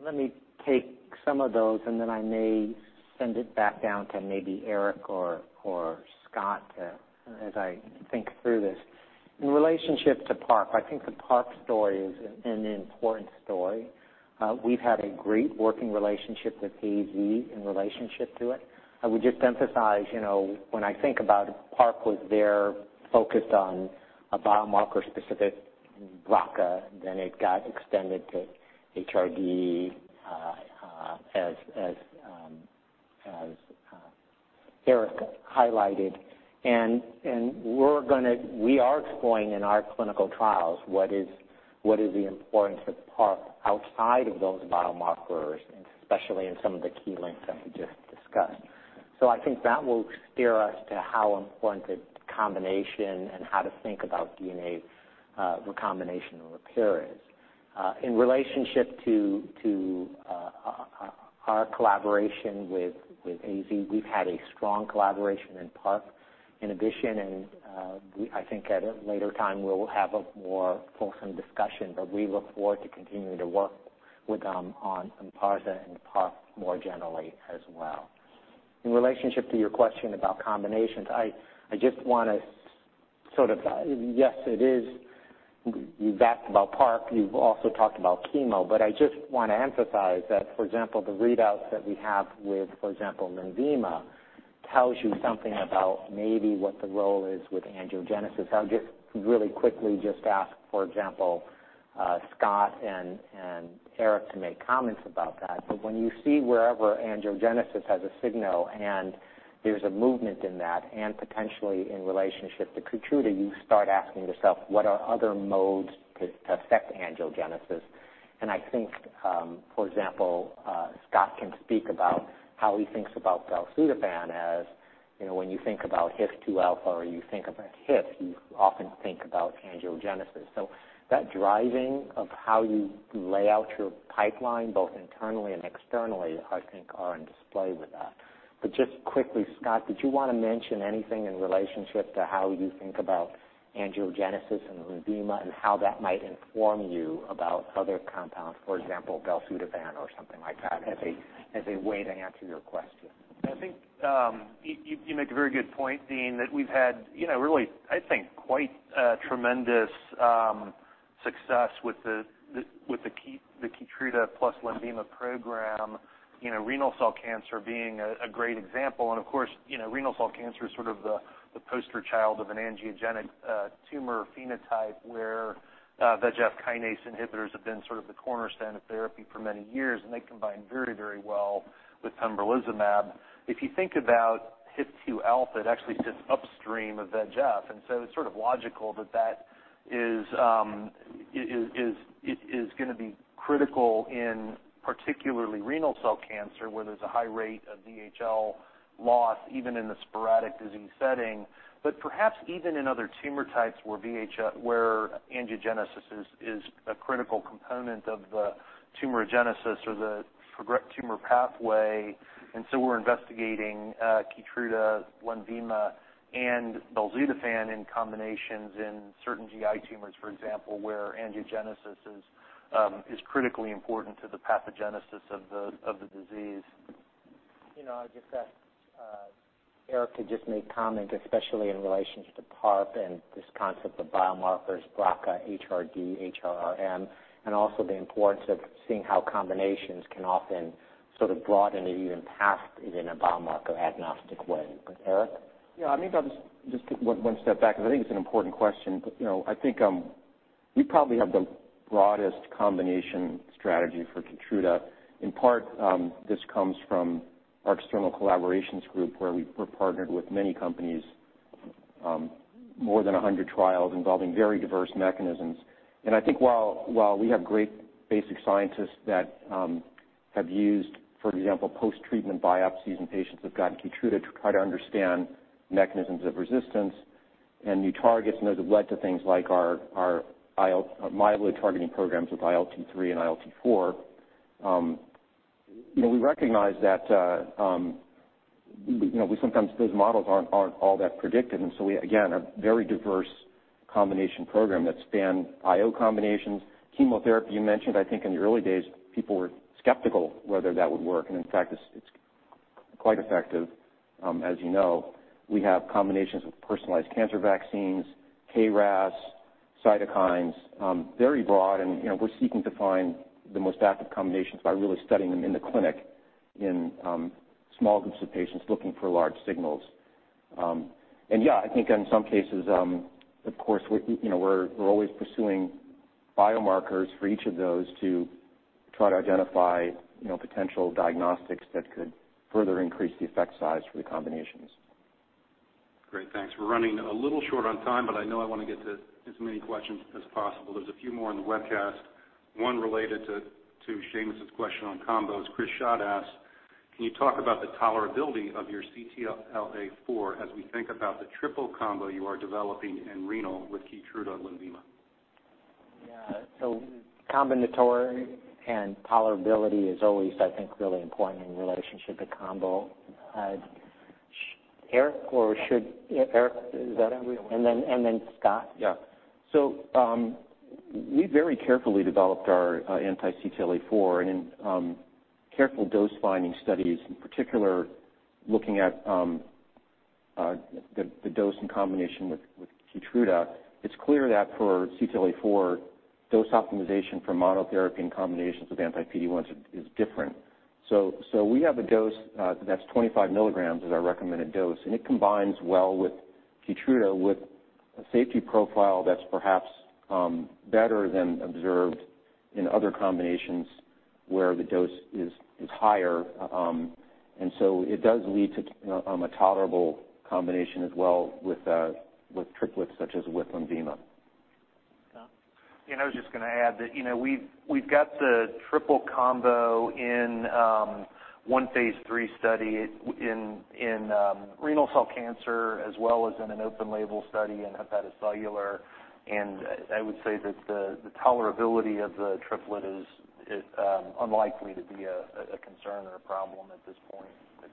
Let me take some of those, and then I may send it back down to maybe Eric or Scot as I think through this. In relationship to PARP, I think the PARP story is an important story. We've had a great working relationship with AZ in relationship to it. I would just emphasize, you know, when I think about PARP was their focus on a biomarker specific BRCA, then it got extended to HRD, as Eric highlighted. We are exploring in our clinical trials what is the importance of PARP outside of those biomarkers, and especially in some of the key links that we just discussed. I think that will steer us to how important the combination and how to think about DNA recombination and repair is. In relationship to our collaboration with AZ, we've had a strong collaboration in PARP. In addition, I think at a later time, we'll have a more fulsome discussion, but we look forward to continuing to work with them on Lynparza and PARP more generally as well. In relationship to your question about combinations, I just wanna sort of yes, it is. You've asked about PARP, you've also talked about chemo, but I just wanna emphasize that, for example, the readouts that we have with, for example, Lenvima, tells you something about maybe what the role is with angiogenesis. I'll just really quickly just ask, for example, Scot and Eric to make comments about that. When you see wherever angiogenesis has a signal and there's a movement in that, and potentially in relationship to Keytruda, you start asking yourself, what are other modes to affect angiogenesis? I think, for example, Scot can speak about how he thinks about belzutifan as, you know, when you think about HIF-2 alpha or you think about HIF, you often think about angiogenesis. That driving of how you lay out your pipeline, both internally and externally, I think are on display with that. Just quickly, Scot, did you wanna mention anything in relationship to how you think about angiogenesis and Lenvima and how that might inform you about other compounds, for example, belzutifan or something like that, as a way to answer your question? I think you make a very good point, Dean, that we've had, you know, really, I think, quite tremendous success with the Keytruda plus Lenvima program, you know, renal cell cancer being a great example. Of course, you know, renal cell cancer is sort of the poster child of an angiogenic tumor phenotype where VEGF kinase inhibitors have been sort of the cornerstone of therapy for many years, and they combine very, very well with pembrolizumab. If you think about HIF-2 alpha, it actually sits upstream of VEGF, and so it's sort of logical that that is gonna be critical in particular renal cell cancer, where there's a high rate of VHL loss, even in the sporadic disease setting. Perhaps even in other tumor types where angiogenesis is a critical component of the tumorigenesis or the tumor progression pathway, and so we're investigating Keytruda, Lenvima, and belzutifan in combinations in certain GI tumors, for example, where angiogenesis is critically important to the pathogenesis of the disease. You know, I'll just ask Eric to just make comment, especially in relationship to PARP and this concept of biomarkers, BRCA, HRD, HRRm, and also the importance of seeing how combinations can often sort of broaden it even past it in a biomarker-agnostic way. Eric? Yeah. Maybe I'll just take one step back because I think it's an important question. You know, I think we probably have the broadest combination strategy for Keytruda. In part, this comes from our external collaborations group, where we're partnered with many companies, more than 100 trials involving very diverse mechanisms. I think while we have great basic scientists that have used, for example, post-treatment biopsies in patients who've gotten Keytruda to try to understand mechanisms of resistance and new targets, and those have led to things like our ILT myeloid targeting programs with ILT3 and ILT4. You know, we recognize that sometimes those models aren't all that predictive, and so we again a very diverse combination program that span IO combinations. Chemotherapy, you mentioned, I think in the early days, people were skeptical whether that would work. In fact, it's quite effective, as you know. We have combinations of personalized cancer vaccines, KRAS, cytokines, very broad. You know, we're seeking to find the most active combinations by really studying them in the clinic in small groups of patients looking for large signals. Yeah, I think in some cases, of course, we, you know, we're always pursuing biomarkers for each of those to try to identify, you know, potential diagnostics that could further increase the effect size for the combinations. Great. Thanks. We're running a little short on time, but I know I wanna get to as many questions as possible. There's a few more in the webcast, one related to Seamus's question on combos. Chris Schott asks, "Can you talk about the tolerability of your CTLA-4 as we think about the triple combo you are developing in renal with Keytruda and Lenvima? Combinability and tolerability is always, I think, really important in relation to combo. Eric, is that everyone? And then Scot. We very carefully developed our anti-CTLA-4 and careful dose finding studies, in particular, looking at the dose in combination with Keytruda. It's clear that for CTLA-4, dose optimization for monotherapy in combinations with anti-PD-1s is different. We have a dose that's 25 milligrams is our recommended dose, and it combines well with Keytruda, with a safety profile that's perhaps better than observed in other combinations where the dose is higher. It does lead to a tolerable combination as well with triplets such as with Lenvima. Scot. Yeah, I was just gonna add that, you know, we've got the triple combo in one phase three study in renal cell cancer as well as in an open label study in hepatocellular. I would say that the tolerability of the triplet is unlikely to be a concern or a problem at this point. It's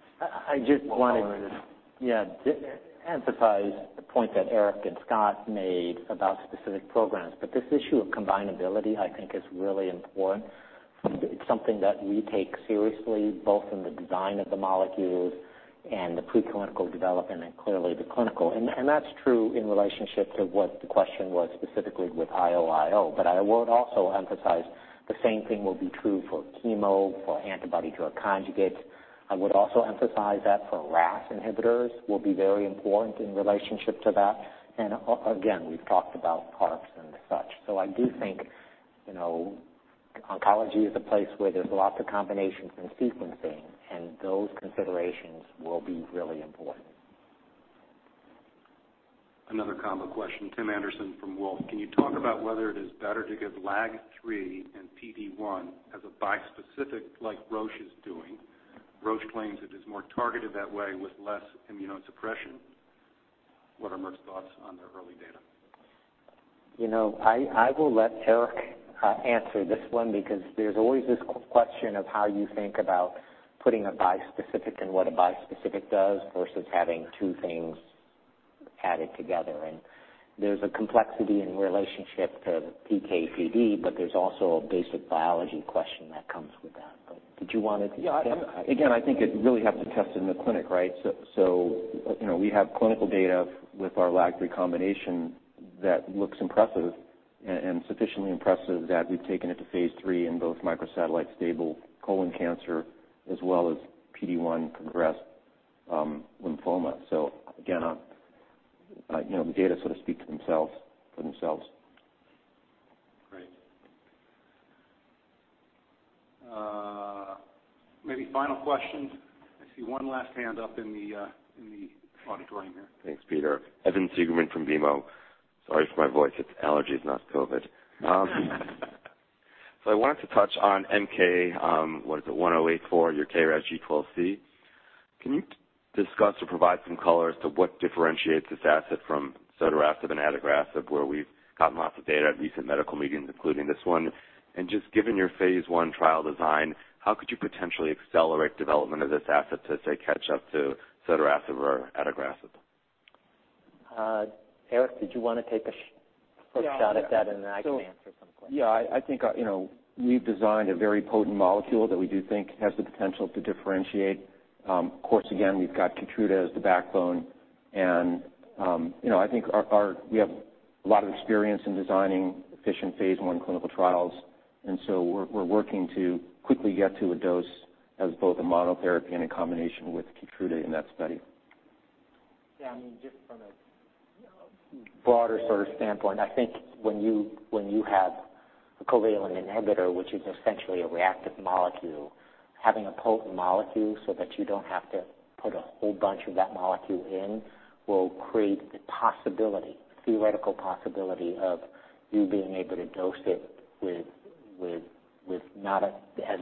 I just wanted to. Go ahead. Yeah. Emphasize the point that Eric and Scot made about specific programs, but this issue of combinability, I think is really important. It's something that we take seriously, both in the design of the molecules and the preclinical development and clearly the clinical. That's true in relationship to what the question was specifically with IO/IO. But I would also emphasize the same thing will be true for chemo, for antibody drug conjugates. I would also emphasize that for RAS inhibitors will be very important in relationship to that. Again, we've talked about CAR-Ts and such. I do think, you know, oncology is a place where there's lots of combinations and sequencing, and those considerations will be really important. Another combo question. Tim Anderson from Wolfe. Can you talk about whether it is better to give LAG-3 and PD-1 as a bispecific like Roche is doing? Roche claims it is more targeted that way with less immunosuppression. What are Merck's thoughts on their early data? You know, I will let Eric answer this one because there's always this question of how you think about putting a bispecific and what a bispecific does versus having two things added together. There's a complexity in relationship to PK/PD, but there's also a basic biology question that comes with that. Did you wanna- Yeah. Again, I think it really has to test in the clinic, right? You know, we have clinical data with our LAG-3 combination that looks impressive and sufficiently impressive that we've taken it to phase III in both microsatellite stable colon cancer as well as PD-1 progressed lymphoma. Again, you know, the data sort of speak for themselves. Great. Maybe final question. I see one last hand up in the auditorium here. Thanks, Peter. Evan Seigerman from BMO. Sorry for my voice, it's allergies, not COVID. I wanted to touch on MK-1084, your KRAS G12C. Can you discuss or provide some color as to what differentiates this asset from Sotorasib and Adagrasib, where we've gotten lots of data at recent medical meetings, including this one? Just given your phase I trial design, how could you potentially accelerate development of this asset to, say, catch up to Sotorasib or Adagrasib? Eric, did you wanna take a sh- Yeah. Take a shot at that, and then I can answer some questions. Yeah, I think, you know, we've designed a very potent molecule that we do think has the potential to differentiate. Of course, again, we've got Keytruda as the backbone and, you know, I think. We have a lot of experience in designing efficient phase one clinical trials, and so we're working to quickly get to a dose as both a monotherapy and a combination with Keytruda in that study. Yeah, I mean, just from a you know, broader sort of standpoint, I think when you have a covalent inhibitor, which is essentially a reactive molecule, having a potent molecule so that you don't have to put a whole bunch of that molecule in, will create the theoretical possibility of you being able to dose it with not as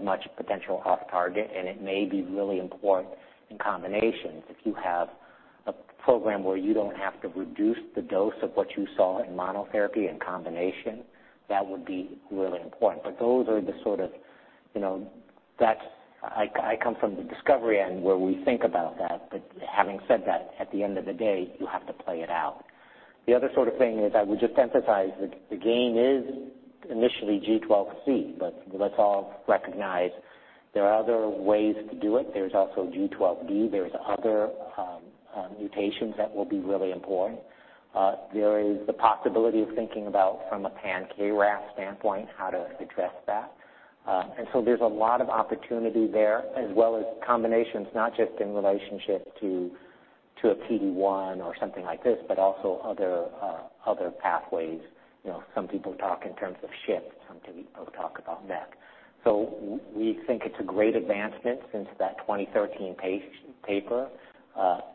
much potential off target. It may be really important in combinations. If you have a program where you don't have to reduce the dose of what you saw in monotherapy in combination, that would be really important. Those are the sort of, you know. That's. I come from the discovery end where we think about that, but having said that, at the end of the day, you have to play it out. The other sort of thing is I would just emphasize the gain is initially G12C, but let's all recognize there are other ways to do it. There's also G12D. There's other mutations that will be really important. There is the possibility of thinking about from a pan-KRAS standpoint, how to address that. There's a lot of opportunity there, as well as combinations, not just in relationship to a PD-1 or something like this, but also other pathways. You know, some people talk in terms of shift, some people talk about that. We think it's a great advancement since that 2013 paper.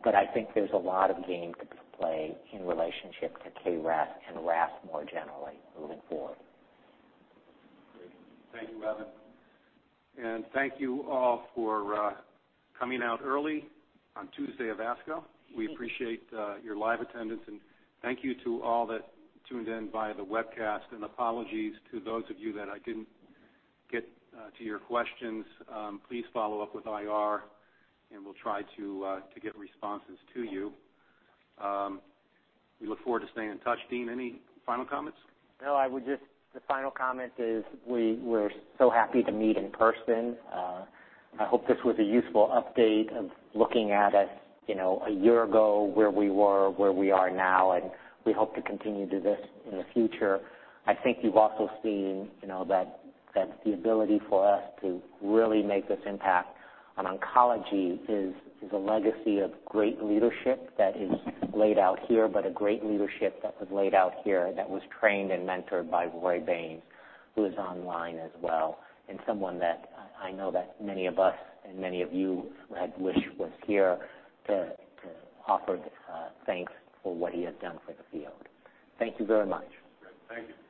But I think there's a lot of game to play in relationship to KRAS and RAS more generally moving forward. Great. Thank you, Evan. Thank you all for coming out early on Tuesday of ASCO. We appreciate your live attendance, and thank you to all that tuned in via the webcast. Apologies to those of you that I didn't get to your questions. Please follow up with IR, and we'll try to get responses to you. We look forward to staying in touch. Dean, any final comments? No, I would just the final comment is we're so happy to meet in person. I hope this was a useful update of looking at it, you know, a year ago, where we were, where we are now, and we hope to continue to do this in the future. I think you've also seen, you know, that the ability for us to really make this impact on oncology is a legacy of great leadership that is laid out here, but a great leadership that was laid out here that was trained and mentored by Roy Baynes, who is online as well, and someone that I know that many of us and many of you had wished was here to offer thanks for what he has done for the field. Thank you very much. Great. Thank you.